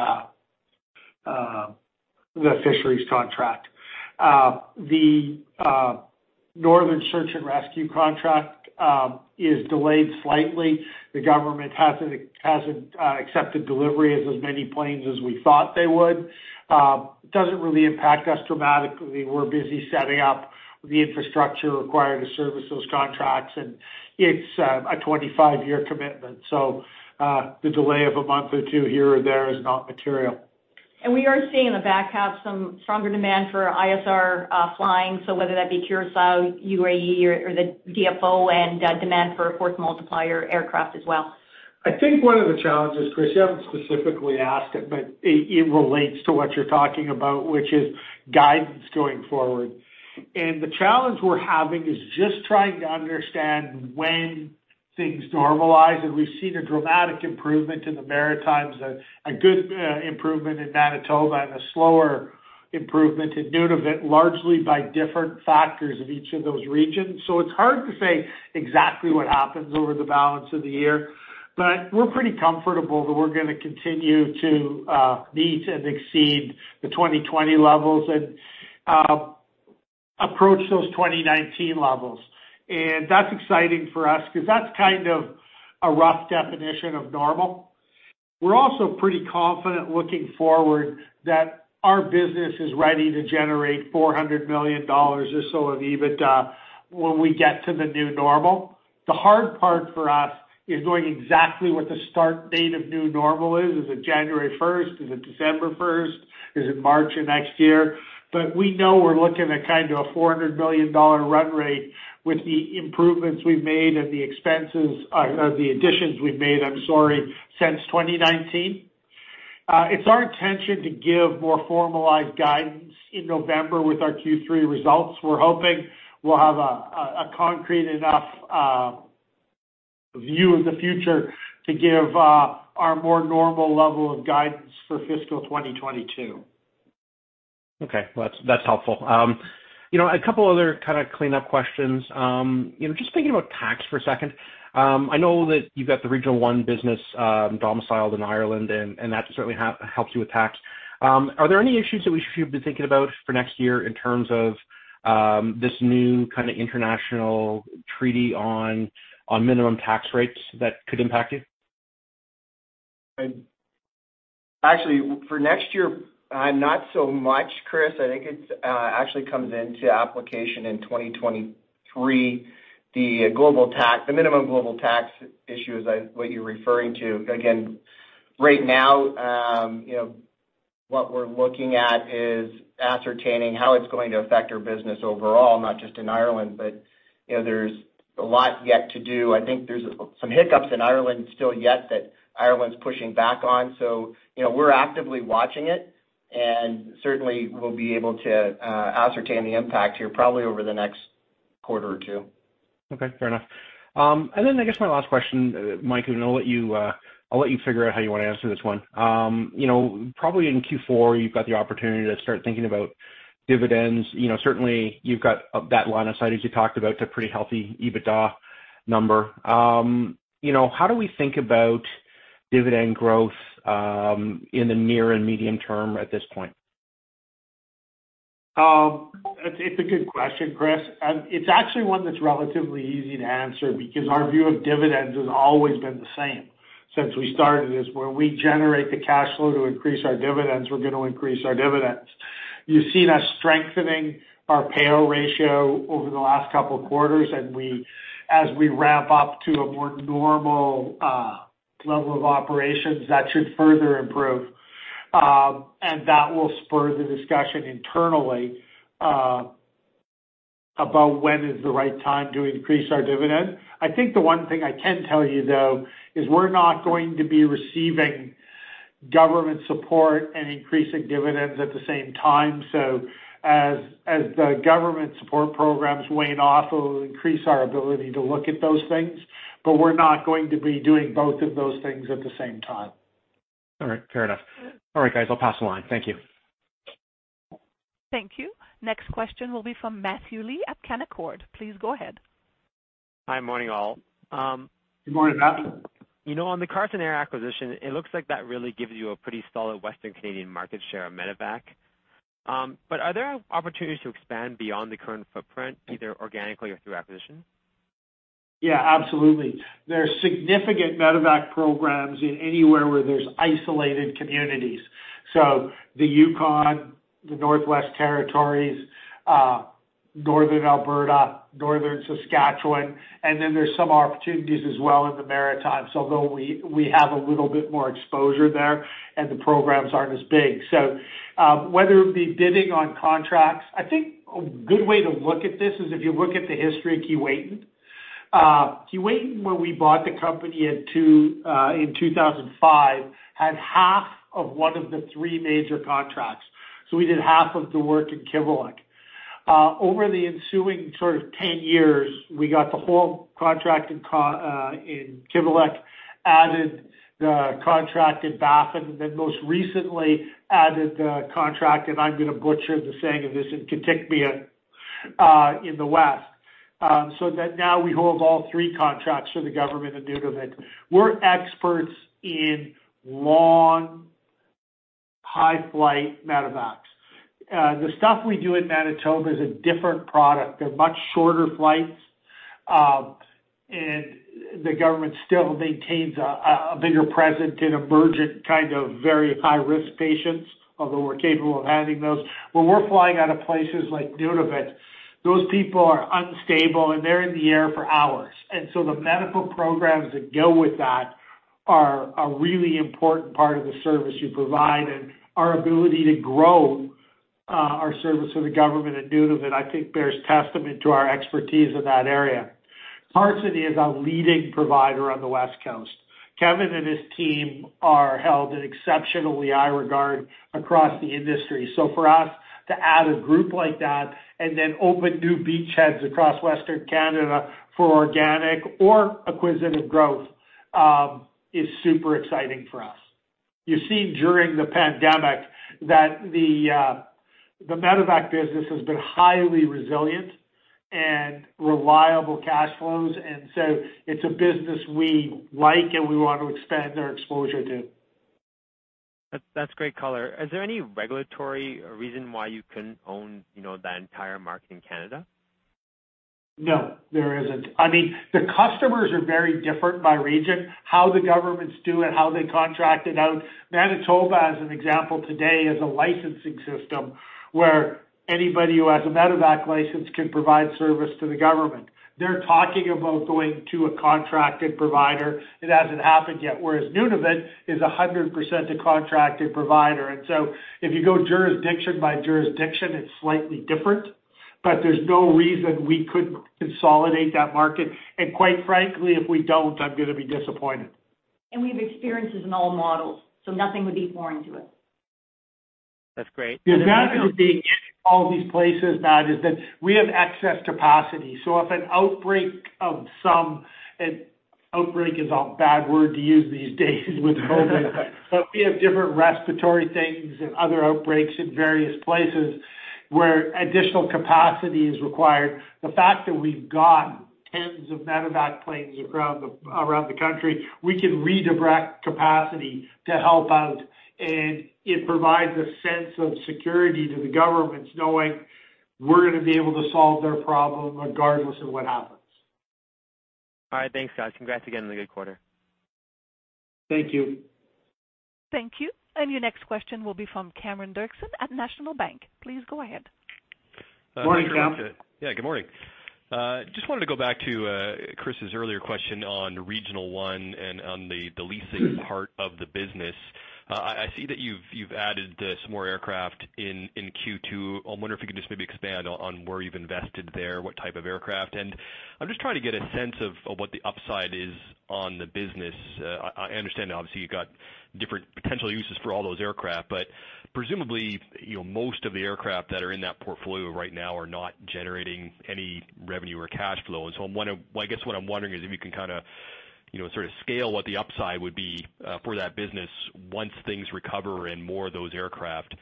fisheries contract. The Northern Search and Rescue contract is delayed slightly. The government hasn't accepted delivery of as many planes as we thought they would. It doesn't really impact us dramatically. We're busy setting up the infrastructure required to service those contracts, and it's a 25-year commitment. The delay of a month or two here or there is not material. We are seeing in the back half some stronger demand for ISR flying, so whether that be Curaçao, UAE, or the DFO, and demand for Force Multiplier aircraft as well. I think one of the challenges, Chris, you haven't specifically asked it, but it relates to what you're talking about, which is guidance going forward. The challenge we're having is just trying to understand when things normalize. We've seen a dramatic improvement in the Maritimes, a good improvement in Manitoba, and a slower improvement in Nunavut, largely by different factors of each of those regions. It's hard to say exactly what happens over the balance of the year. We're pretty comfortable that we're going to continue to meet and exceed the 2020 levels. Approach those 2019 levels. That's exciting for us because that's kind of a rough definition of normal. We're also pretty confident looking forward that our business is ready to generate 400 million dollars or so of EBITDA when we get to the new normal. The hard part for us is knowing exactly what the start date of new normal is. Is it January 1st? Is it December 1st? Is it March of next year? We know we're looking at kind of a 400 million dollar run rate with the improvements we've made and the additions we've made since 2019. It's our intention to give more formalized guidance in November with our Q3 results. We're hoping we'll have a concrete enough view of the future to give our more normal level of guidance for fiscal 2022. Okay. Well, that's helpful. A couple other kind of cleanup questions. Just thinking about tax for a second. I know that you've got the Regional One business domiciled in Ireland, and that certainly helps you with tax. Are there any issues that we should be thinking about for next year in terms of this new kind of international treaty on minimum tax rates that could impact you? Actually, for next year, not so much, Chris. I think it actually comes into application in 2023. The minimum global tax issue is what you're referring to. Right now, what we're looking at is ascertaining how it's going to affect our business overall, not just in Ireland. There's a lot yet to do. I think there's some hiccups in Ireland still yet that Ireland's pushing back on. We're actively watching it, and certainly we'll be able to ascertain the impact here probably over the next quarter or two. Okay, fair enough. I guess my last question, Mike, and I'll let you figure out how you want to answer this one. Probably in Q4, you've got the opportunity to start thinking about dividends. Certainly, you've got that line of sight, as you talked about, the pretty healthy EBITDA number. How do we think about dividend growth in the near and medium term at this point? It's a good question, Chris. It's actually 1 that's relatively easy to answer because our view of dividends has always been the same since we started this. When we generate the cash flow to increase our dividends, we're going to increase our dividends. You've seen us strengthening our payout ratio over the last couple of quarters, and as we ramp up to a more normal level of operations, that should further improve. That will spur the discussion internally about when is the right time to increase our dividend. I think the 1 thing I can tell you, though, is we're not going to be receiving government support and increasing dividends at the same time. As the government support programs wane off, it'll increase our ability to look at those things, but we're not going to be doing both of those things at the same time. All right. Fair enough. All right, guys, I'll pass the line. Thank you. Thank you. Next question will be from Matthew Lee at Canaccord. Please go ahead. Hi. Morning, all. Good morning, Matt. On the Carson Air acquisition, it looks like that really gives you a pretty solid Western Canadian market share of Medevac. Are there opportunities to expand beyond the current footprint, either organically or through acquisition? Yeah, absolutely. There's significant Medevac programs in anywhere where there's isolated communities. The Yukon, the Northwest Territories, Northern Alberta, Northern Saskatchewan, and then there's some opportunities as well in the Maritimes, although we have a little bit more exposure there, and the programs aren't as big. Whether it be bidding on contracts, I think a good way to look at this is if you look at the history of Keewatin. Keewatin, when we bought the company in 2005, had half of one of the three major contracts. We did half of the work in Kivalliq. Over the ensuing sort of 10 years, we got the whole contract in Kivalliq, added the contract in Baffin, and then most recently added the contract, and I'm going to butcher the saying of this, in Kitikmeot in the west. That now we hold all three contracts for the Government of Nunavut. We're experts in long, high-flight Medevacs. The stuff we do in Manitoba is a different product. They're much shorter flights. The Government still maintains a bigger presence in emergent kind of very high-risk patients, although we're capable of handling those. When we're flying out of places like Nunavut, those people are unstable, and they're in the air for hours. The medical programs that go with that are a really important part of the service you provide. Our ability to grow our service to the Government in Nunavut, I think, bears testament to our expertise in that area. Carson is a leading provider on the West Coast. Kevin and his team are held in exceptionally high regard across the industry. For us to add a group like that and then open new beachheads across Western Canada for organic or acquisitive growth is super exciting for us. You've seen during the pandemic that the Medevac business has been highly resilient and reliable cash flows. It's a business we like and we want to expand our exposure to. That's great color. Is there any regulatory reason why you couldn't own the entire market in Canada? No, there isn't. The customers are very different by region, how the governments do it, how they contract it out. Manitoba, as an example today, is a licensing system where anybody who has a Medevac license can provide service to the government. They're talking about going to a contracted provider. It hasn't happened yet, whereas Nunavut is 100% a contracted provider. So if you go jurisdiction by jurisdiction, it's slightly different, but there's no reason we couldn't consolidate that market. Quite frankly, if we don't, I'm going to be disappointed. We have experiences in all models, so nothing would be foreign to us. That's great. The advantage of being in all these places, Matt, is that we have excess capacity. An outbreak is a bad word to use these days with COVID. We have different respiratory things and other outbreaks in various places where additional capacity is required. The fact that we've got tens of Medevac planes around the country, we can redirect capacity to help out, and it provides a sense of security to the governments knowing we're going to be able to solve their problem regardless of what happens. All right. Thanks, guys. Congrats again on a good quarter. Thank you. Thank you. Your next question will be from Cameron Doerksen at National Bank. Please go ahead. Morning, Cameron. Yeah. Good morning. Just wanted to go back to Chris's earlier question on Regional One and on the leasing part of the business. I see that you've added some more aircraft in Q2. I wonder if you could just maybe expand on where you've invested there, what type of aircraft. I'm just trying to get a sense of what the upside is on the business. I understand, obviously, you've got different potential uses for all those aircraft, presumably, most of the aircraft that are in that portfolio right now are not generating any revenue or cash flow. I guess what I'm wondering is if you can scale what the upside would be for that business once things recover and more of those aircraft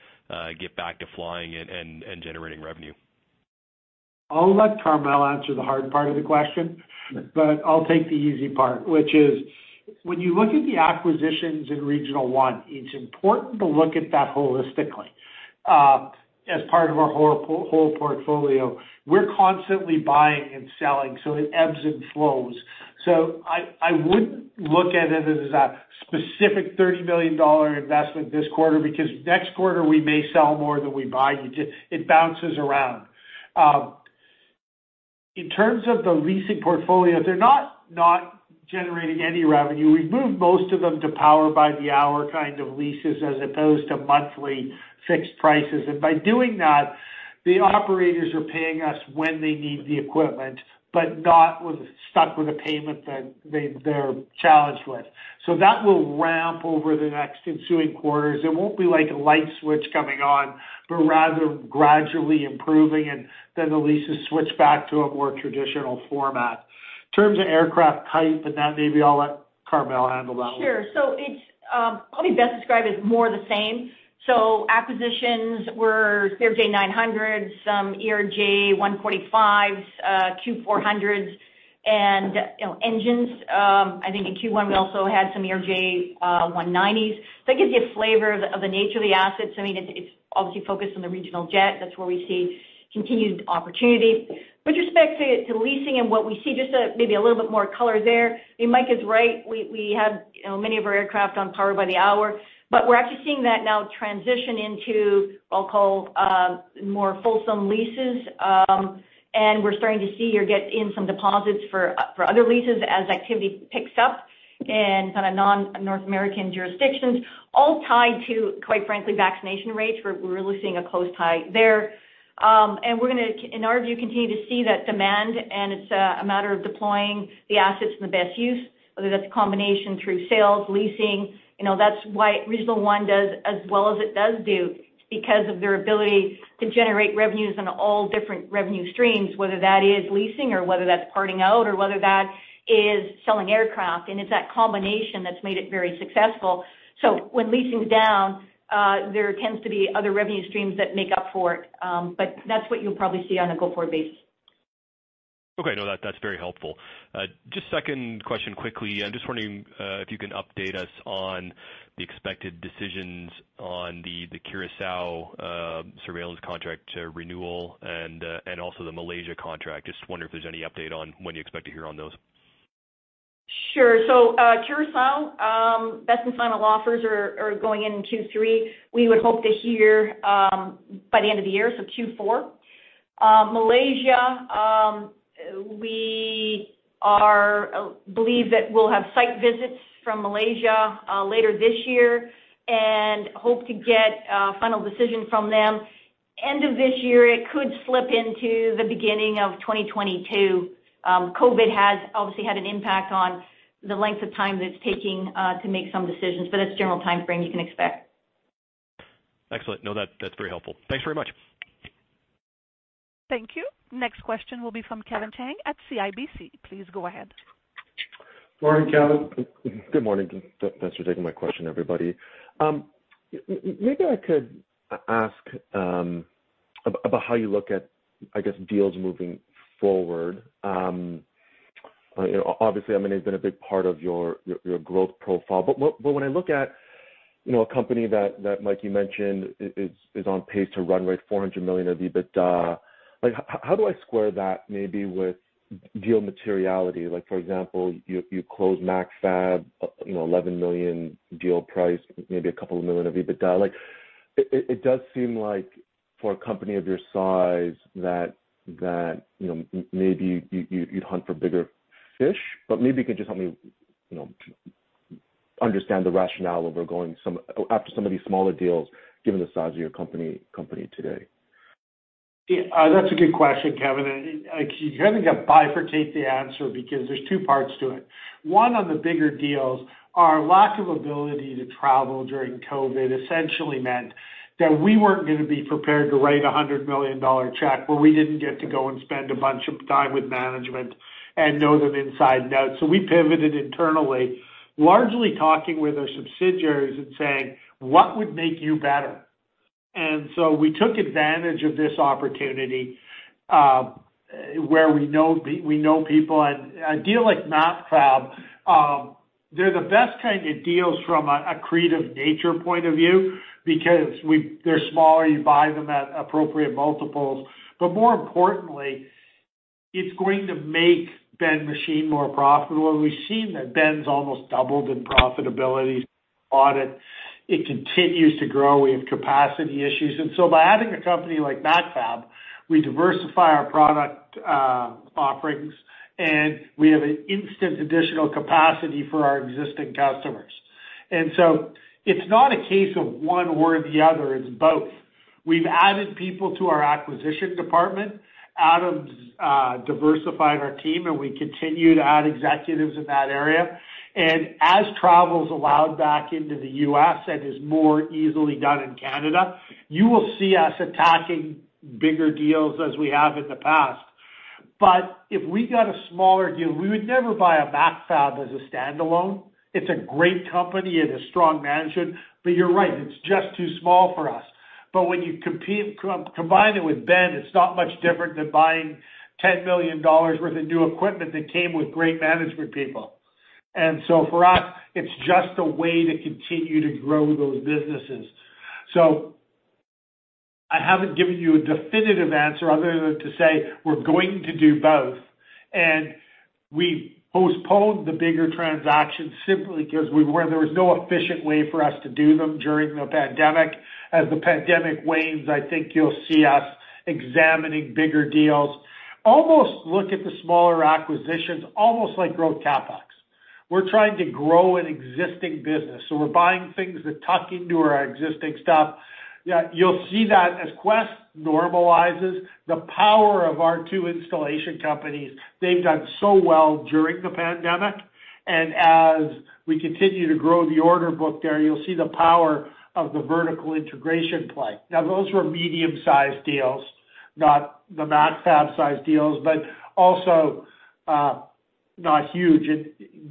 get back to flying and generating revenue. I'll let Carmele answer the hard part of the question, I'll take the easy part, which is when you look at the acquisitions in Regional One, it's important to look at that holistically. As part of our whole portfolio, we're constantly buying and selling, it ebbs and flows. I wouldn't look at it as a specific 30 million dollar investment this quarter because next quarter we may sell more than we buy. It bounces around. In terms of the leasing portfolio, they're not not generating any revenue. We've moved most of them to power-by-the-hour leases as opposed to monthly fixed prices. By doing that, the operators are paying us when they need the equipment, but not stuck with a payment that they're challenged with. That will ramp over the next ensuing quarters. It won't be like a light switch coming on, but rather gradually improving. The leases switch back to a more traditional format. In terms of aircraft type and that, maybe I'll let Carmelle handle that one. Sure. It's probably best described as more the same. Acquisitions were CRJ900s, some ERJ-145s, Q400s, and engines. I think in Q1, we also had some ERJ-190s. That gives you a flavor of the nature of the assets. It's obviously focused on the regional jet. That's where we see continued opportunity. With respect to leasing and what we see, just maybe a little bit more color there. Mike is right. We have many of our aircraft on power by the hour, but we're actually seeing that now transition into, I'll call more fulsome leases. We're starting to see or get in some deposits for other leases as activity picks up in non-North American jurisdictions, all tied to, quite frankly, vaccination rates. We're really seeing a close tie there. We're going to, in our view, continue to see that demand, and it's a matter of deploying the assets in the best use, whether that's a combination through sales, leasing. That's why Regional One does as well as it does do, because of their ability to generate revenues on all different revenue streams, whether that is leasing or whether that's parting out or whether that is selling aircraft. It's that combination that's made it very successful. When leasing's down, there tends to be other revenue streams that make up for it. That's what you'll probably see on a go-forward basis. Okay. No, that's very helpful. A second question quickly. I'm just wondering if you can update us on the expected decisions on the Curaçao surveillance contract renewal and also the Malaysia contract. Wondering if there's any update on when you expect to hear on those. Sure. Curaçao, best and final offers are going in in Q3. We would hope to hear by the end of the year, so Q4. Malaysia, we believe that we'll have site visits from Malaysia later this year and hope to get a final decision from them end of this year. It could slip into the beginning of 2022. COVID has obviously had an impact on the length of time that it's taking to make some decisions. That's the general timeframe you can expect. Excellent. That's very helpful. Thanks very much. Thank you. Next question will be from Kevin Chiang at CIBC. Please go ahead. Morning, Kevin. Good morning. Thanks for taking my question, everybody. Maybe I could ask about how you look at deals moving forward. Obviously, I mean, it's been a big part of your growth profile. When I look at a company that, Mike, you mentioned is on pace to run rate 400 million of EBITDA, how do I square that maybe with deal materiality? For example, you closed Macfab, 11 million deal price, maybe a couple of million of EBITDA. It does seem like for a company of your size that maybe you'd hunt for bigger fish, but maybe you could just help me understand the rationale of going after some of these smaller deals given the size of your company today. Yeah. That's a good question, Kevin. You're going to get bifurcate the answer because there's 2 parts to it. One, on the bigger deals, our lack of ability to travel during COVID essentially meant that we weren't going to be prepared to write a 100 million dollar check where we didn't get to go and spend a bunch of time with management and know them inside and out. We pivoted internally, largely talking with our subsidiaries and saying, "What would make you better?" We took advantage of this opportunity, where we know people. A deal like Macfab, they're the best kind of deals from an accretive nature point of view because they're smaller, you buy them at appropriate multiples. More importantly, it's going to make Ben Machine more profitable. We've seen that Ben's almost doubled in profitability since we bought it. It continues to grow. We have capacity issues. By adding a company like Macfab, we diversify our product offerings, and we have an instant additional capacity for our existing customers. It's not a case of one or the other, it's both. We've added people to our acquisition department. Adam's diversified our team, and we continue to add executives in that area. As travel's allowed back into the U.S. and is more easily done in Canada, you will see us attacking bigger deals as we have in the past. If we got a smaller deal, we would never buy a Macfab as a standalone. It's a great company. It has strong management, but you're right, it's just too small for us. When you combine it with Ben Machine, it's not much different than buying 10 million dollars worth of new equipment that came with great management people. For us, it's just a way to continue to grow those businesses. I haven't given you a definitive answer other than to say we're going to do both. We postponed the bigger transactions simply because there was no efficient way for us to do them during the pandemic. As the pandemic wanes, I think you'll see us examining bigger deals. Almost look at the smaller acquisitions almost like growth CapEx. We're trying to grow an existing business, we're buying things that tuck into our existing stuff. You'll see that as Quest normalizes the power of our two installation companies. They've done so well during the pandemic. As we continue to grow the order book there, you'll see the power of the vertical integration play. Those were medium-sized deals, not the Macfab-sized deals, but also not huge.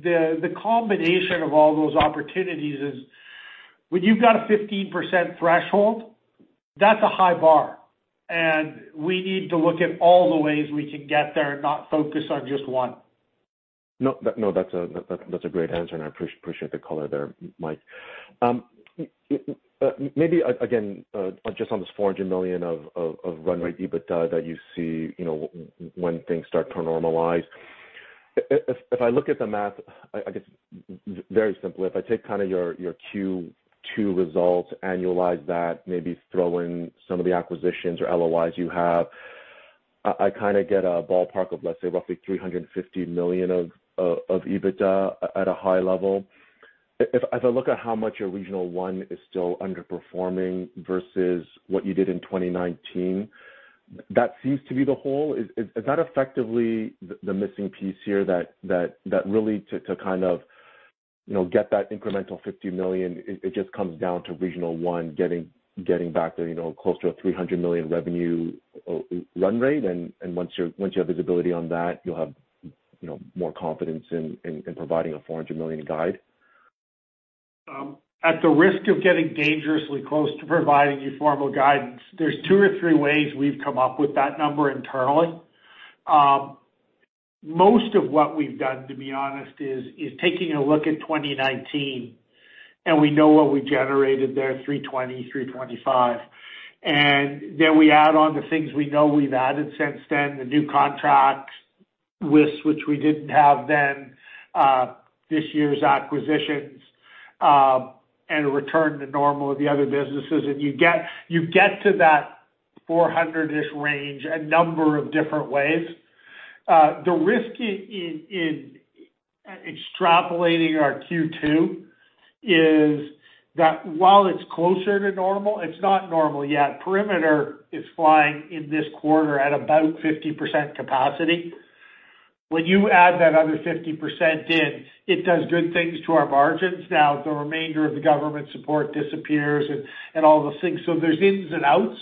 The combination of all those opportunities is when you've got a 15% threshold, that's a high bar, and we need to look at all the ways we can get there and not focus on just one. No, that's a great answer, and I appreciate the color there, Mike. Maybe, again, just on this 400 million of run rate EBITDA that you see when things start to normalize. If I look at the math, I guess very simply, if I take kind of your Q2 results, annualize that, maybe throw in some of the acquisitions or LOIs you have, I kind of get a ballpark of, let's say, roughly 350 million of EBITDA at a high level. If I look at how much your Regional One is still underperforming versus what you did in 2019, that seems to be the hole. Is that effectively the missing piece here that really to kind of get that incremental 50 million, it just comes down to Regional One getting back there, close to a 300 million revenue run rate? Once you have visibility on that, you'll have more confidence in providing a 400 million guide? At the risk of getting dangerously close to providing you formal guidance, there's two or three ways we've come up with that number internally. Most of what we've done, to be honest, is taking a look at 2019, and we know what we generated there, 320 million, 325 million. Then we add on the things we know we've added since then, the new contracts which we didn't have then, this year's acquisitions, and return to normal of the other businesses. You get to that 400-ish range a number of different ways. The risk in extrapolating our Q2 is that while it's closer to normal, it's not normal yet. Perimeter is flying in this quarter at about 50% capacity. When you add that other 50% in, it does good things to our margins. Now, the remainder of the government support disappears and all those things. There's ins and outs.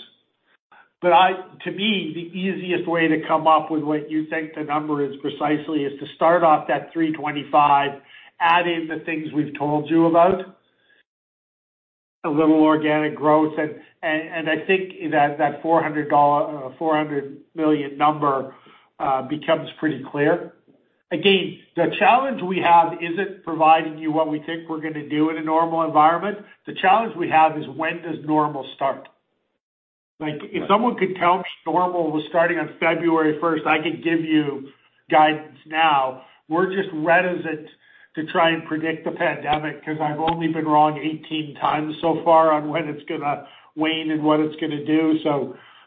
To me, the easiest way to come up with what you think the number is precisely is to start off that 325 million, add in the things we've told you about. A little organic growth. I think that 400 million number becomes pretty clear. Again, the challenge we have isn't providing you what we think we're going to do in a normal environment. The challenge we have is when does normal start? If someone could tell me normal was starting on February 1st, I could give you guidance now. We're just reticent to try and predict the pandemic because I've only been wrong 18 times so far on when it's going to wane and what it's going to do.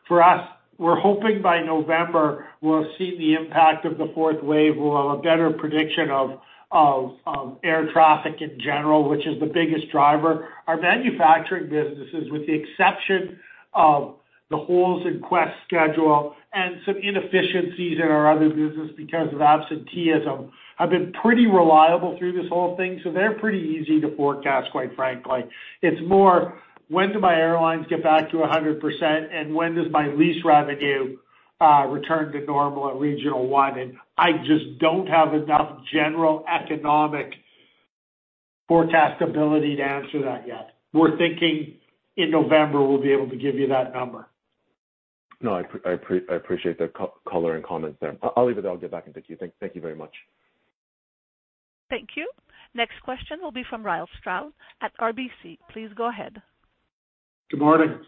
For us, we're hoping by November we'll have seen the impact of the fourth wave. We'll have a better prediction of air traffic in general, which is the biggest driver. Our manufacturing businesses, with the exception of the holes in Quest schedule and some inefficiencies in our other business because of absenteeism, have been pretty reliable through this whole thing. They're pretty easy to forecast, quite frankly. It's more, when do my airlines get back to 100% and when does my lease revenue return to normal at Regional One? I just don't have enough general economic forecast ability to answer that yet. We're thinking in November we'll be able to give you that number. No, I appreciate the color and comments there. I'll leave it there. I'll get back into queue. Thank you very much. Thank you. Next question will be from Ryall Stroud at RBC. Please go ahead. Good morning.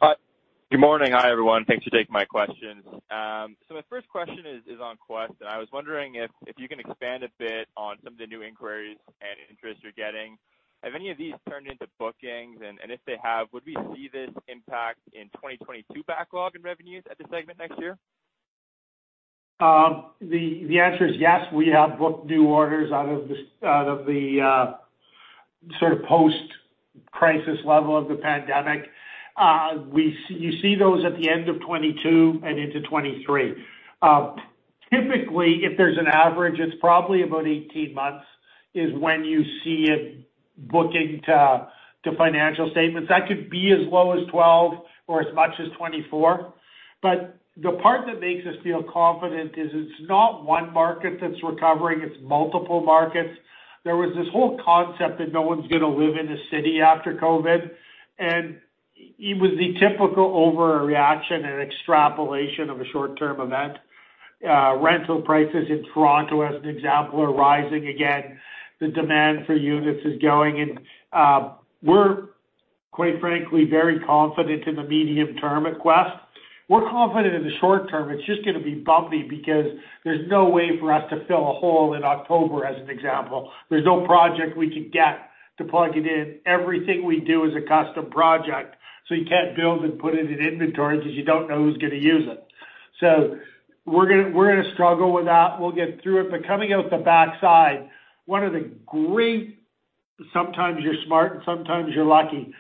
Good morning. Hi, everyone. Thanks for taking my questions. My first question is on Quest, I was wondering if you can expand a bit on some of the new inquiries and interest you're getting. Have any of these turned into bookings? If they have, would we see this impact in 2022 backlog in revenues at the segment next year? The answer is yes. We have booked new orders out of the sort of post-crisis level of the pandemic. You see those at the end of 2022 and into 2023. Typically, if there's an average, it's probably about 18 months is when you see it booking to financial statements. That could be as low as 12 or as much as 24. The part that makes us feel confident is it's not one market that's recovering, it's multiple markets. There was this whole concept that no one's going to live in the city after COVID, it was the typical overreaction and extrapolation of a short-term event. Rental prices in Toronto, as an example, are rising again. The demand for units is going, we're quite frankly very confident in the medium term at Quest. We're confident in the short term. It's just going to be bumpy because there's no way for us to fill a hole in October, as an example. There's no project we could get to plug it in. Everything we do is a custom project, so you can't build and put it in inventory because you don't know who's going to use it. We're going to struggle with that. We'll get through it, but coming out the backside, one of the great sometimes you're smart and sometimes you're lucky.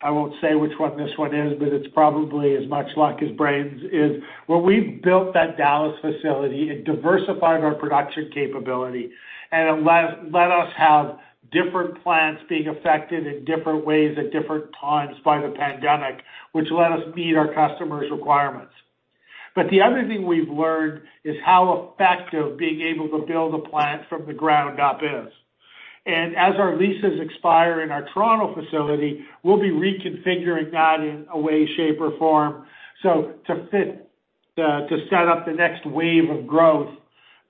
I won't say which one this one is, but it's probably as much luck as brains, is where we've built that Dallas facility, it diversified our production capability and let us have different plants being affected in different ways at different times by the pandemic, which let us meet our customers' requirements. The other thing we've learned is how effective being able to build a plant from the ground up is. As our leases expire in our Toronto facility, we'll be reconfiguring that in a way, shape, or form, so to set up the next wave of growth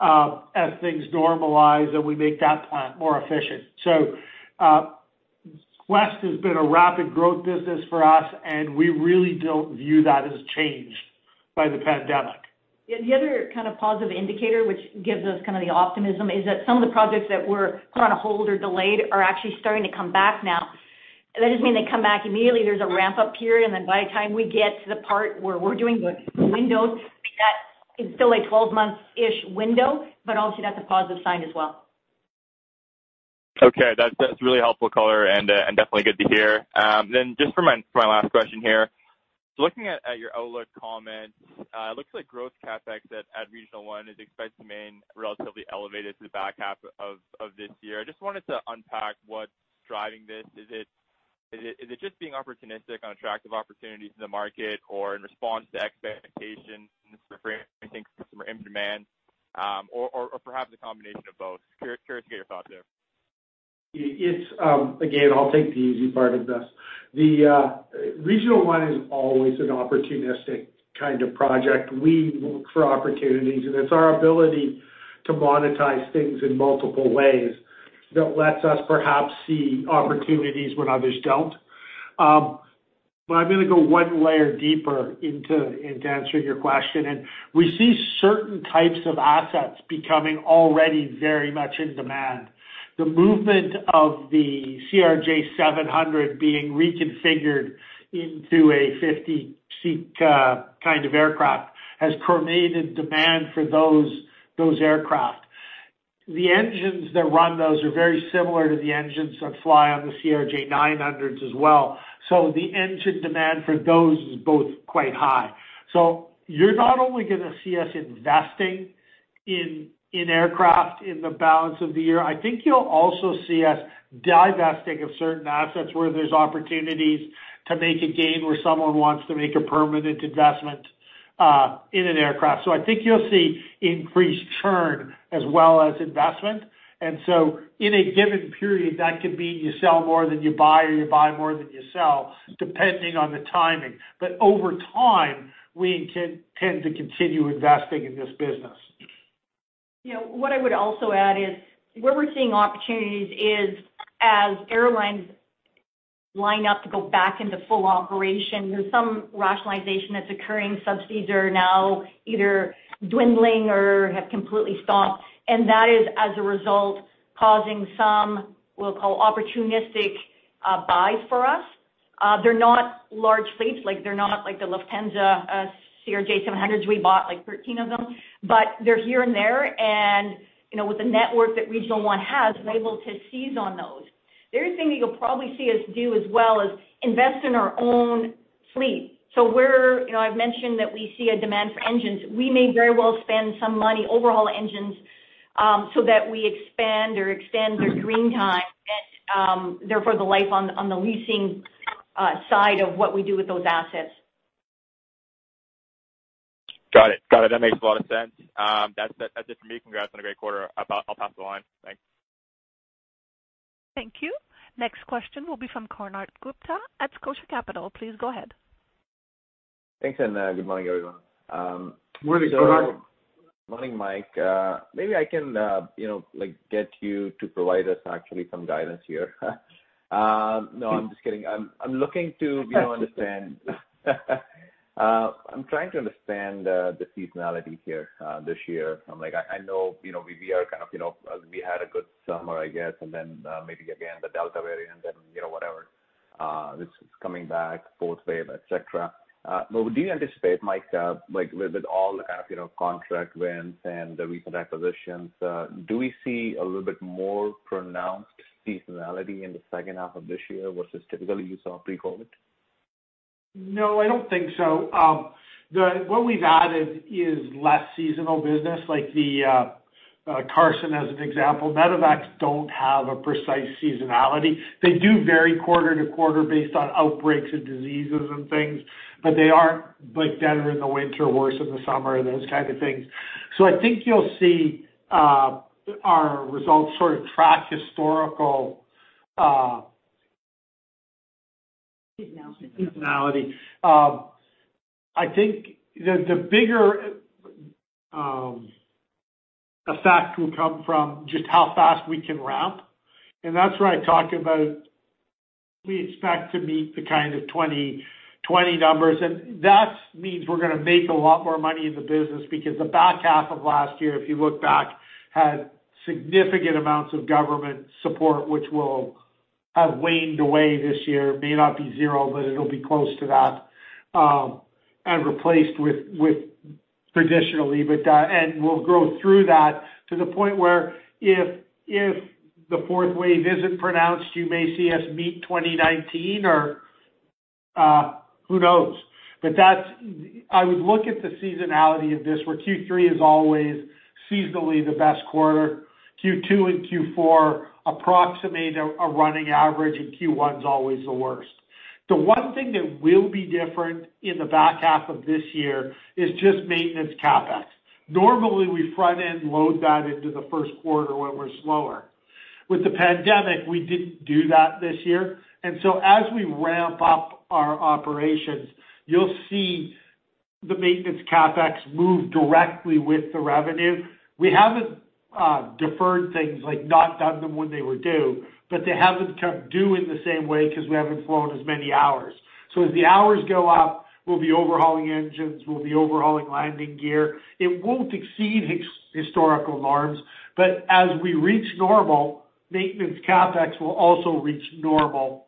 as things normalize and we make that plant more efficient. Quest has been a rapid growth business for us, and we really don't view that as changed by the pandemic. The other kind of positive indicator which gives us kind of the optimism is that some of the projects that were put on hold or delayed are actually starting to come back now. That doesn't mean they come back immediately. There's a ramp-up period, and then by the time we get to the part where we're doing the windows, that is still a 12 months-ish window. Obviously that's a positive sign as well. Okay. That's really helpful color and definitely good to hear. Just for my last question here. Looking at your outlook comments, it looks like growth CapEx at Regional One is expected to remain relatively elevated through the back half of this year. I just wanted to unpack what's driving this. Is it just being opportunistic on attractive opportunities in the market or in response to expectations for increasing customer in demand? Perhaps a combination of both? Curious to get your thoughts there. Again, I'll take the easy part of this. Regional One is always an opportunistic kind of project. We look for opportunities, and it's our ability to monetize things in multiple ways that lets us perhaps see opportunities when others don't. I'm going to go one layer deeper into answering your question, and we see certain types of assets becoming already very much in demand. The movement of the CRJ700 being reconfigured into a 50-seat kind of aircraft has permeated demand for those aircraft. The engines that run those are very similar to the engines that fly on the CRJ900s as well. The engine demand for those is both quite high. You're not only going to see us investing in aircraft in the balance of the year, I think you'll also see us divesting of certain assets where there's opportunities to make a gain where someone wants to make a permanent investment in an aircraft. I think you'll see increased churn as well as investment. In a given period, that could mean you sell more than you buy, or you buy more than you sell, depending on the timing. Over time, we intend to continue investing in this business. What I would also add is, where we're seeing opportunities is as airlines line up to go back into full operation, there's some rationalization that's occurring. Some seats are now either dwindling or have completely stopped, and that is, as a result, causing some, we'll call opportunistic buys for us. They're not large fleets, they're not like the Lufthansa CRJ700s. We bought 13 of them. They're here and there, and with the network that Regional One has, we're able to seize on those. The other thing that you'll probably see us do as well is invest in our own fleet. I've mentioned that we see a demand for engines. We may very well spend some money overhaul engines, so that we expand or extend their green time, and therefore the life on the leasing side of what we do with those assets. Got it. That makes a lot of sense. That's it from me. Congrats on a great quarter. I'll pass the line. Thanks. Thank you. Next question will be from Konark Gupta at Scotia Capital. Please go ahead. Thanks, good morning, everyone. Morning, Konark. Morning, Mike. Maybe I can get you to provide us actually some guidance here. No, I'm just kidding. I'm trying to understand the seasonality here this year. I know we had a good summer, I guess, and then, maybe again, the Delta variant, and then whatever. This is coming back, fourth wave, et cetera. Do you anticipate, Mike, with all the contract wins and the recent acquisitions, do we see a little bit more pronounced seasonality in the second half of this year versus typically you saw pre-COVID? No, I don't think so. What we've added is less seasonal business, like Carson as an example. Medevacs don't have a precise seasonality. They do vary quarter to quarter based on outbreaks of diseases and things, but they aren't like better in the winter, worse in the summer, and those kind of things. I think you'll see our results sort of track historical- Seasonality seasonality. I think the bigger effect will come from just how fast we can ramp, and that's where I talked about we expect to meet the kind of 2020 numbers. That means we're going to make a lot more money in the business because the back half of last year, if you look back, had significant amounts of government support which will have waned away this year. May not be zero, but it'll be close to that, and replaced with traditionally. We'll grow through that to the point where if the fourth wave isn't pronounced, you may see us meet 2019 or who knows? I would look at the seasonality of this, where Q3 is always seasonally the best quarter. Q2 and Q4 approximate a running average, and Q1 is always the worst. The one thing that will be different in the back half of this year is just maintenance CapEx. Normally, we front-end load that into the first quarter when we're slower. With the pandemic, we didn't do that this year. As we ramp up our operations, you'll see the maintenance CapEx move directly with the revenue. We haven't deferred things, like not done them when they were due, but they haven't come due in the same way because we haven't flown as many hours. As the hours go up, we'll be overhauling engines, we'll be overhauling landing gear. It won't exceed historical norms. As we reach normal, maintenance CapEx will also reach normal.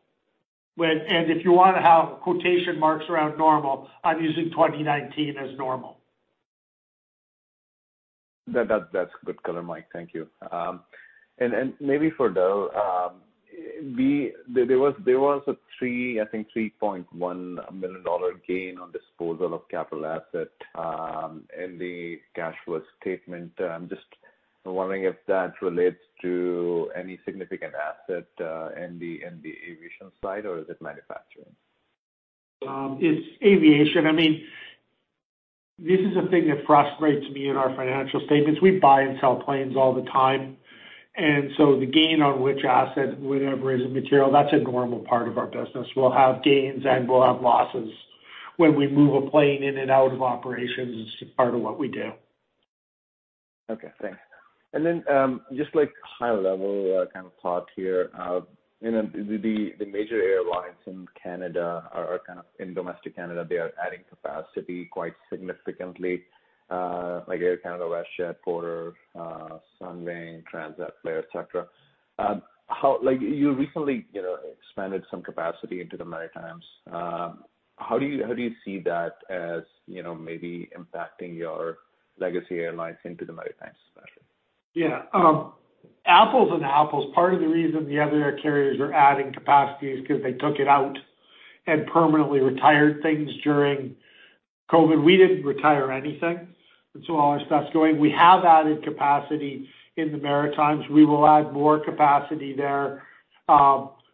If you want to have quotation marks around normal, I'm using 2019 as normal. That's good color, Mike. Thank you. Maybe for Darryl. There was a, I think, 3.1 million dollar gain on disposal of capital asset in the cash flow statement. I'm just wondering if that relates to any significant asset in the aviation side, or is it manufacturing? It's aviation. This is a thing that frustrates me in our financial statements. We buy and sell planes all the time. The gain on which asset, whatever is immaterial, that's a normal part of our business. We'll have gains, and we'll have losses when we move a plane in and out of operations. It's part of what we do. Okay, thanks. Just high level kind of thought here. The major airlines in domestic Canada, they are adding capacity quite significantly. Like Air Canada, WestJet, Porter, Sunwing, Transat, Flair, et cetera. You recently expanded some capacity into the Maritimes. How do you see that as maybe impacting your legacy airlines into the Maritimes, especially? Yeah. Apples and apples. Part of the reason the other air carriers are adding capacity is because they took it out and permanently retired things during COVID. We didn't retire anything. All our stuff's going. We have added capacity in the Maritimes. We will add more capacity there,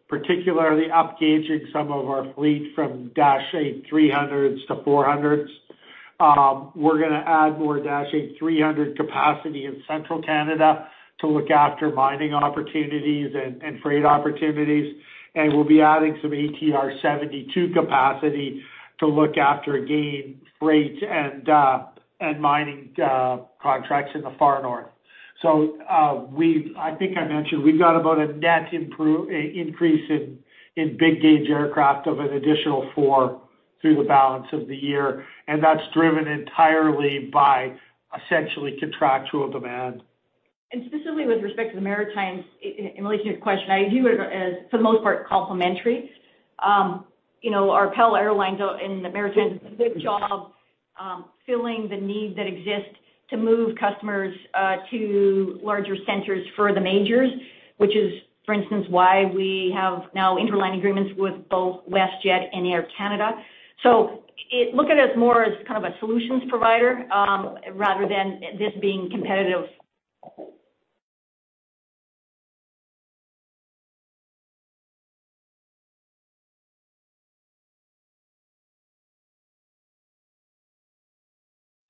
particularly up gauging some of our fleet from Dash 8-300s to Dash 8-400s. We're going to add more Dash 8-300 capacity in Central Canada to look after mining opportunities and freight opportunities. We'll be adding some ATR 72 capacity to look after, again, freight and mining contracts in the far north. I think I mentioned, we've got about a net increase in big gauge aircraft of an additional four through the balance of the year, and that's driven entirely by essentially contractual demand. Specifically with respect to the Maritimes, in relation to your question, I view it as for the most part, complementary. Our PAL Airlines up in the Maritimes does a good job filling the needs that exist to move customers to larger centers for the majors, which is, for instance, why we have now interline agreements with both WestJet and Air Canada. Look at it as more as a solutions provider rather than this being competitive.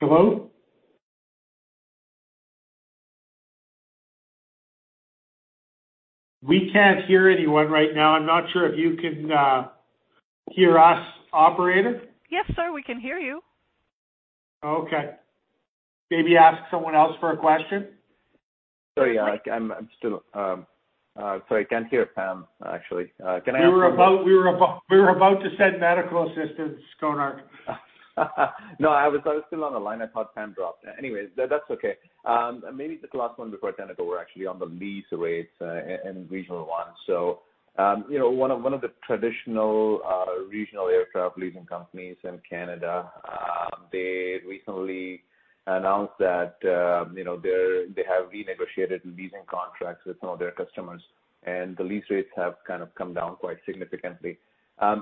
Hello? We can't hear anyone right now. I'm not sure if you can hear us, operator. Yes, sir, we can hear you. Okay. Maybe ask someone else for a question. Sorry. I'm still Sorry, can't hear Pam, actually. Can I ask. We were about to send medical assistance, Konark. No, I was still on the line. I thought Pam dropped. That's okay. Maybe the last one before Tenneco. We're actually on the lease rates in Regional One. One of the traditional regional aircraft leasing companies in Canada, they recently announced that they have renegotiated leasing contracts with some of their customers, and the lease rates have come down quite significantly.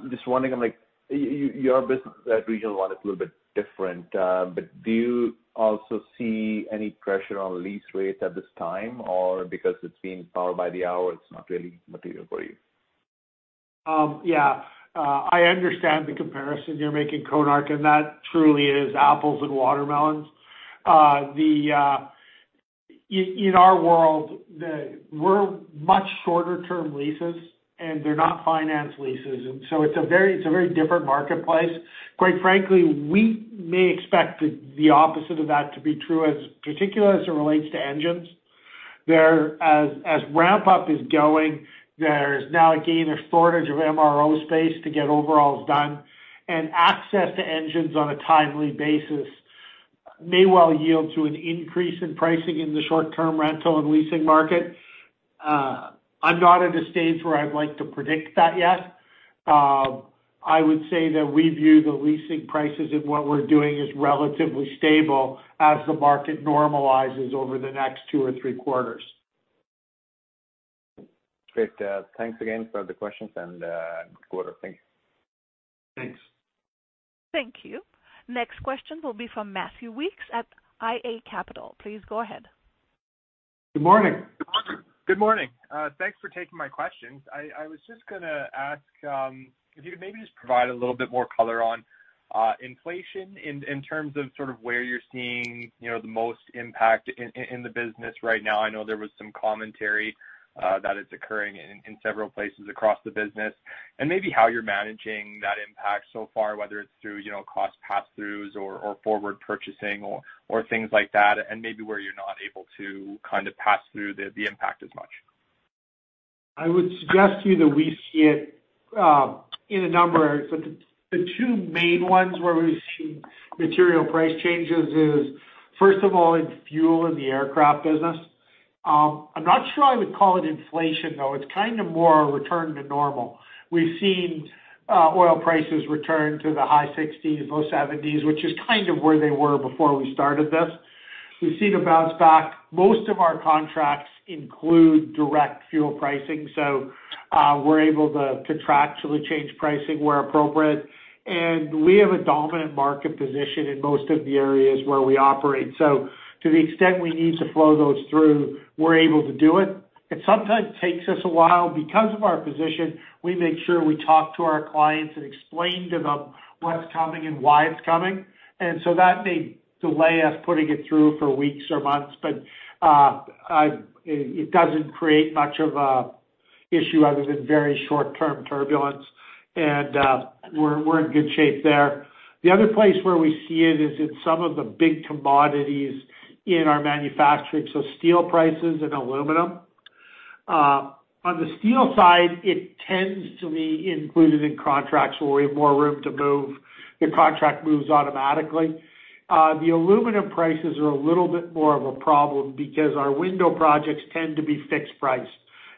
Just wondering, your business at Regional One is a little bit different, but do you also see any pressure on lease rates at this time? Because it's being powered by the hour, it's not really material for you? Yeah. I understand the comparison you're making, Konark. That truly is apples and watermelons. In our world, we're much shorter term leases. They're not finance leases. It's a very different marketplace. Quite frankly, we may expect the opposite of that to be true, particularly as it relates to engines. As ramp up is going, there's now, again, a shortage of MRO space to get overalls done, and access to engines on a timely basis may well yield to an increase in pricing in the short term rental and leasing market. I'm not at a stage where I'd like to predict that yet. I would say that we view the leasing prices in what we're doing as relatively stable as the market normalizes over the next two or three quarters. Great. Thanks again for the questions, and good quarter. Thanks. Thanks. Thank you. Next question will be from Matthew Weekes at iA Capital Markets. Please go ahead. Good morning. Good morning. Thanks for taking my questions. I was just going to ask if you could maybe just provide a little bit more color on inflation in terms of where you're seeing the most impact in the business right now. I know there was some commentary that it's occurring in several places across the business, and maybe how you're managing that impact so far, whether it's through cost passthroughs or forward purchasing or things like that, and maybe where you're not able to pass through the impact as much. I would suggest to you that we see it in a number areas, but the two main ones where we've seen material price changes is, first of all, in fuel in the aircraft business. I'm not sure I would call it inflation, though. It's kind of more a return to normal. We've seen oil prices return to the high 60%s, low 70%s, which is kind of where they were before we started this. We've seen a bounce back. Most of our contracts include direct fuel pricing, so we're able to contractually change pricing where appropriate. We have a dominant market position in most of the areas where we operate. To the extent we need to flow those through, we're able to do it. It sometimes takes us a while. Because of our position, we make sure we talk to our clients and explain to them what's coming and why it's coming, and so that may delay us putting it through for weeks or months. It doesn't create much of a issue other than very short-term turbulence, and we're in good shape there. The other place where we see it is in some of the big commodities in our manufacturing, so steel prices and aluminum. On the steel side, it tends to be included in contracts where we have more room to move. The contract moves automatically. The aluminum prices are a little bit more of a problem because our window projects tend to be fixed price,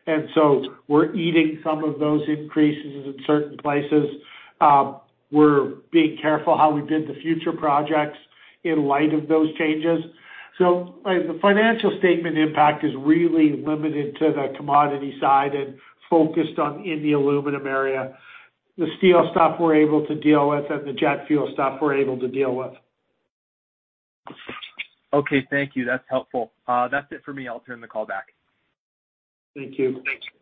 and so we're eating some of those increases in certain places. We're being careful how we bid the future projects in light of those changes. The financial statement impact is really limited to the commodity side and focused in the aluminum area. The steel stuff we're able to deal with and the jet fuel stuff we're able to deal with. Okay. Thank you. That's helpful. That's it for me. I'll turn the call back. Thank you. Thank you.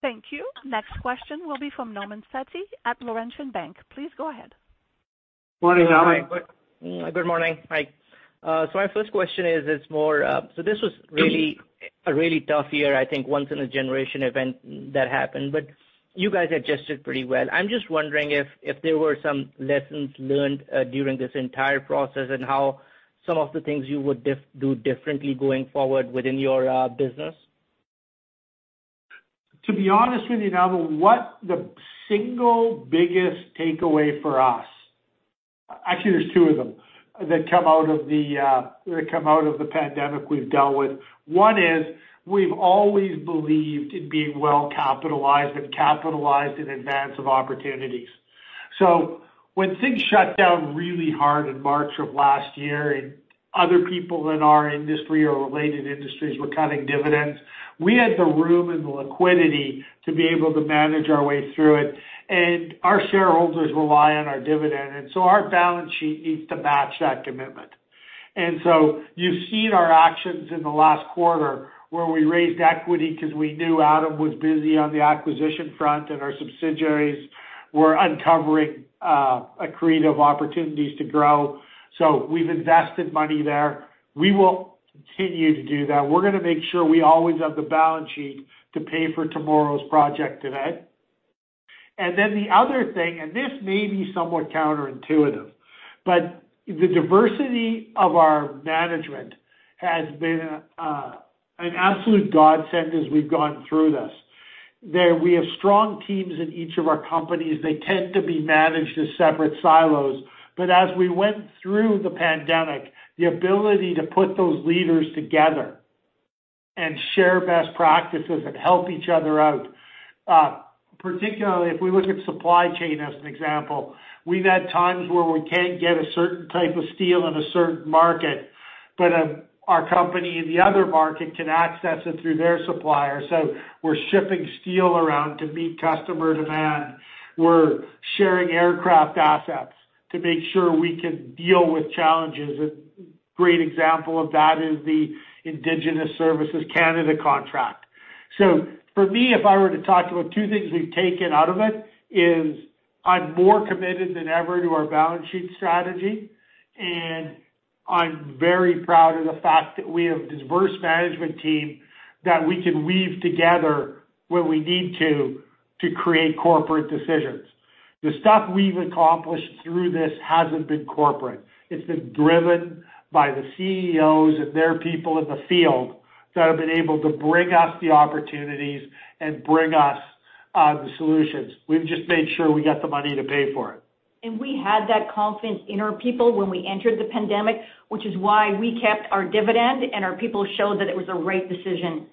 Thank you. Next question will be from Nauman Satti at Laurentian Bank. Please go ahead. Morning, Nauman. Good morning. Hi. My first question is, this was a really tough year, I think a once in a generation event that happened. You guys adjusted pretty well. I'm just wondering if there were some lessons learned during this entire process and how some of the things you would do differently going forward within your business? To be honest with you, Nauman, what the single biggest takeaway for us. Actually, there's two of them that come out of the pandemic we've dealt with. One is, we've always believed in being well capitalized and capitalized in advance of opportunities. When things shut down really hard in March of last year and other people in our industry or related industries were cutting dividends, we had the room and the liquidity to be able to manage our way through it. Our shareholders rely on our dividend, and so our balance sheet needs to match that commitment. You've seen our actions in the last quarter where we raised equity because we knew Adam was busy on the acquisition front and our subsidiaries were uncovering accretive opportunities to grow. We've invested money there. We will continue to do that. We're going to make sure we always have the balance sheet to pay for tomorrow's project today. The other thing, and this may be somewhat counterintuitive, but the diversity of our management has been an absolute godsend as we've gone through this. That we have strong teams in each of our companies. They tend to be managed as separate silos. As we went through the pandemic, the ability to put those leaders together and share best practices and help each other out, particularly if we look at supply chain as an example, we've had times where we can't get a certain type of steel in a certain market, but our company in the other market can access it through their supplier. We're shipping steel around to meet customer demand. We're sharing aircraft assets to make sure we can deal with challenges. A great example of that is the Indigenous Services Canada contract. For me, if I were to talk about two things we've taken out of it, is I'm more committed than ever to our balance sheet strategy, and I'm very proud of the fact that we have a diverse management team that we can weave together when we need to create corporate decisions. The stuff we've accomplished through this hasn't been corporate. It's been driven by the CEOs and their people in the field that have been able to bring us the opportunities and bring us the solutions. We've just made sure we got the money to pay for it. We had that confidence in our people when we entered the pandemic, which is why we kept our dividend and our people showed that it was a right decision.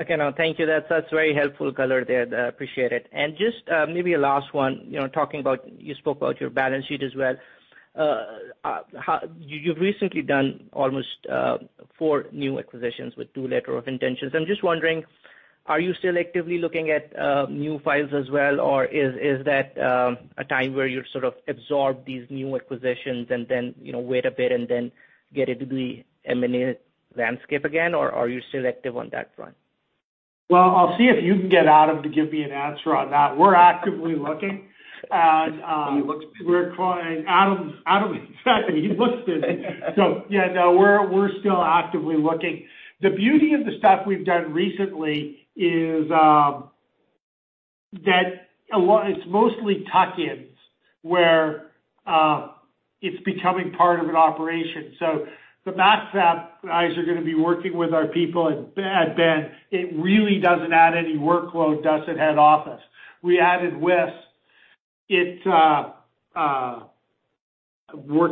Okay. No, thank you. That's a very helpful color there. I appreciate it. Just maybe a last one, you spoke about your balance sheet as well. You've recently done almost four new acquisitions with two letter of intentions. I'm just wondering, are you still actively looking at new files as well, or is that a time where you sort of absorb these new acquisitions and then wait a bit and then get into the M&A landscape again, or are you still active on that front? Well, I'll see if you can get Adam to give me an answer on that. We're actively looking. He looks busy. Adam, exactly. He looks busy. Yeah, no, we're still actively looking. The beauty of the stuff we've done recently is that it's mostly tuck-ins where it's becoming part of an operation. The Macfab guys are going to be working with our people at Ben. It really doesn't add any workload, does it, head office? We added Wisk. It worked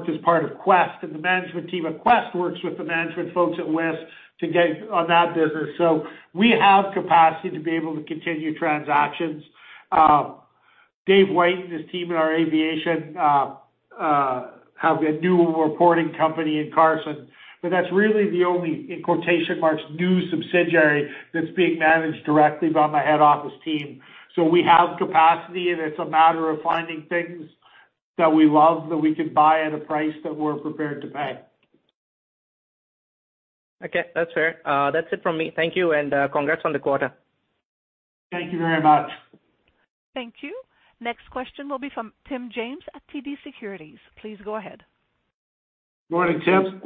as part of Quest, and the management team at Quest works with the management folks at Wisk on that business. We have capacity to be able to continue transactions. Dave White and his team in our aviation have a new reporting company in Carson, but that's really the only, in quotation marks, "new subsidiary" that's being managed directly by my head office team. We have capacity, and it's a matter of finding things that we love, that we can buy at a price that we're prepared to pay. Okay. That's fair. That's it from me. Thank you, and congrats on the quarter. Thank you very much. Thank you. Next question will be from Tim James at TD Securities. Please go ahead. Morning, Tim.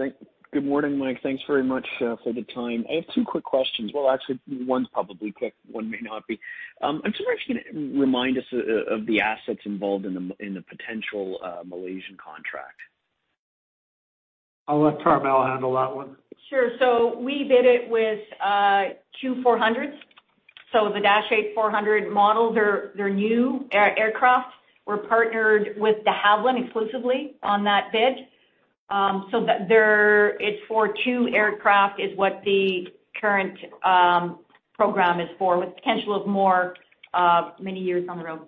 Good morning, Mike. Thanks very much for the time. I have two quick questions. Well, actually, one's probably quick, one may not be. I'm just wondering if you can remind us of the assets involved in the potential Malaysian contract. I'll let Carmele handle that one. Sure. We bid it with Q400s, so the Dash 8-400 models are new aircraft. We're partnered with De Havilland exclusively on that bid. It's for 2 aircraft, is what the current program is for, with potential of more, many years down the road.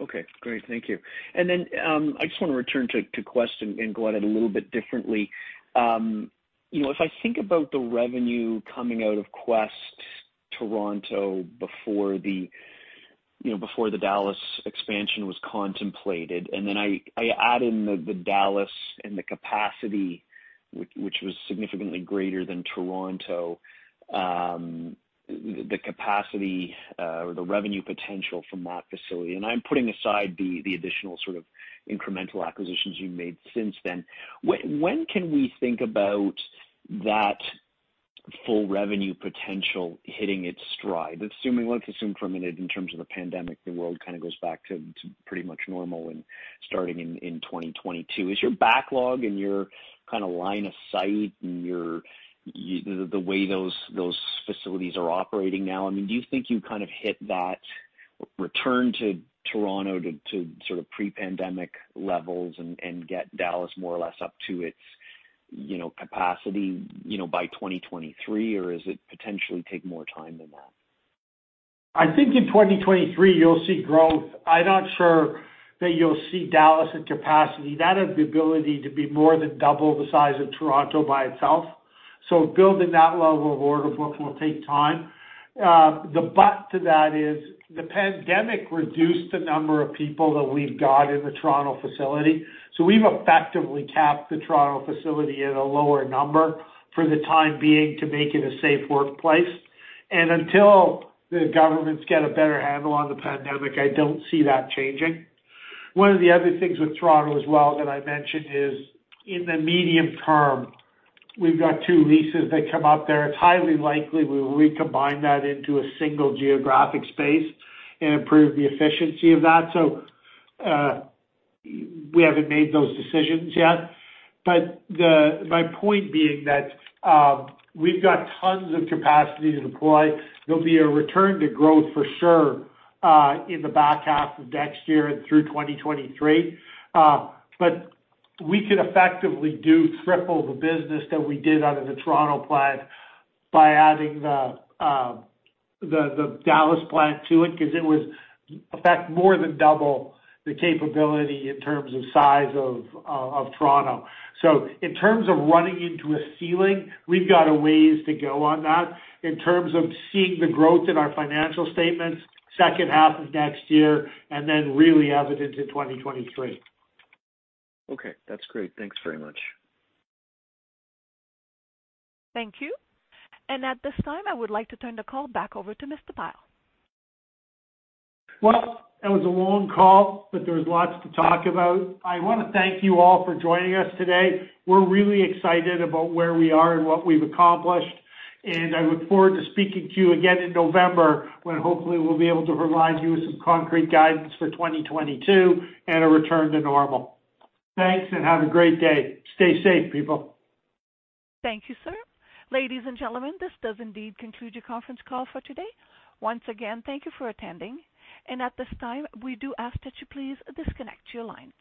Okay, great. Thank you. I just want to return to Quest and go at it a little bit differently. If I think about the revenue coming out of Quest Toronto before the Dallas expansion was contemplated, and then I add in the Dallas and the capacity, which was significantly greater than Toronto, the capacity or the revenue potential from that facility, and I'm putting aside the additional sort of incremental acquisitions you've made since then. When can we think about that full revenue potential hitting its stride? Let's assume for a minute, in terms of the pandemic, the world kind of goes back to pretty much normal and starting in 2022. Is your backlog and your line of sight and the way those facilities are operating now, do you think you hit that return to Toronto to pre-pandemic levels and get Dallas more or less up to its capacity by 2023? Is it potentially take more time than that? I think in 2023, you'll see growth. I'm not sure that you'll see Dallas at capacity. That has the ability to be more than double the size of Toronto by itself. Building that level of order book will take time. To that is the pandemic reduced the number of people that we've got in the Toronto facility. We've effectively capped the Toronto facility at a lower number for the time being to make it a safe workplace. Until the governments get a better handle on the pandemic, I don't see that changing. One of the other things with Toronto as well that I mentioned is in the medium term, we've got two leases that come up there. It's highly likely we will recombine that into a 1 geographic space and improve the efficiency of that. We haven't made those decisions yet, but my point being that we've got tons of capacity to deploy. There'll be a return to growth for sure, in the back half of next year and through 2023. We could effectively do triple the business that we did out of the Toronto plant by adding the Dallas plant to it because it was, in fact, more than double the capability in terms of size of Toronto. In terms of running into a ceiling, we've got a ways to go on that. In terms of seeing the growth in our financial statements, second half of next year and then really evident in 2023. Okay. That's great. Thanks very much. Thank you. At this time, I would like to turn the call back over to Mr. Pyle. Well, that was a long call, but there was lots to talk about. I want to thank you all for joining us today. We're really excited about where we are and what we've accomplished, and I look forward to speaking to you again in November when hopefully we'll be able to provide you with some concrete guidance for 2022 and a return to normal. Thanks and have a great day. Stay safe, people. Thank you, sir. Ladies and gentlemen, this does indeed conclude your conference call for today. Once again, thank you for attending. At this time, we do ask that you please disconnect your lines.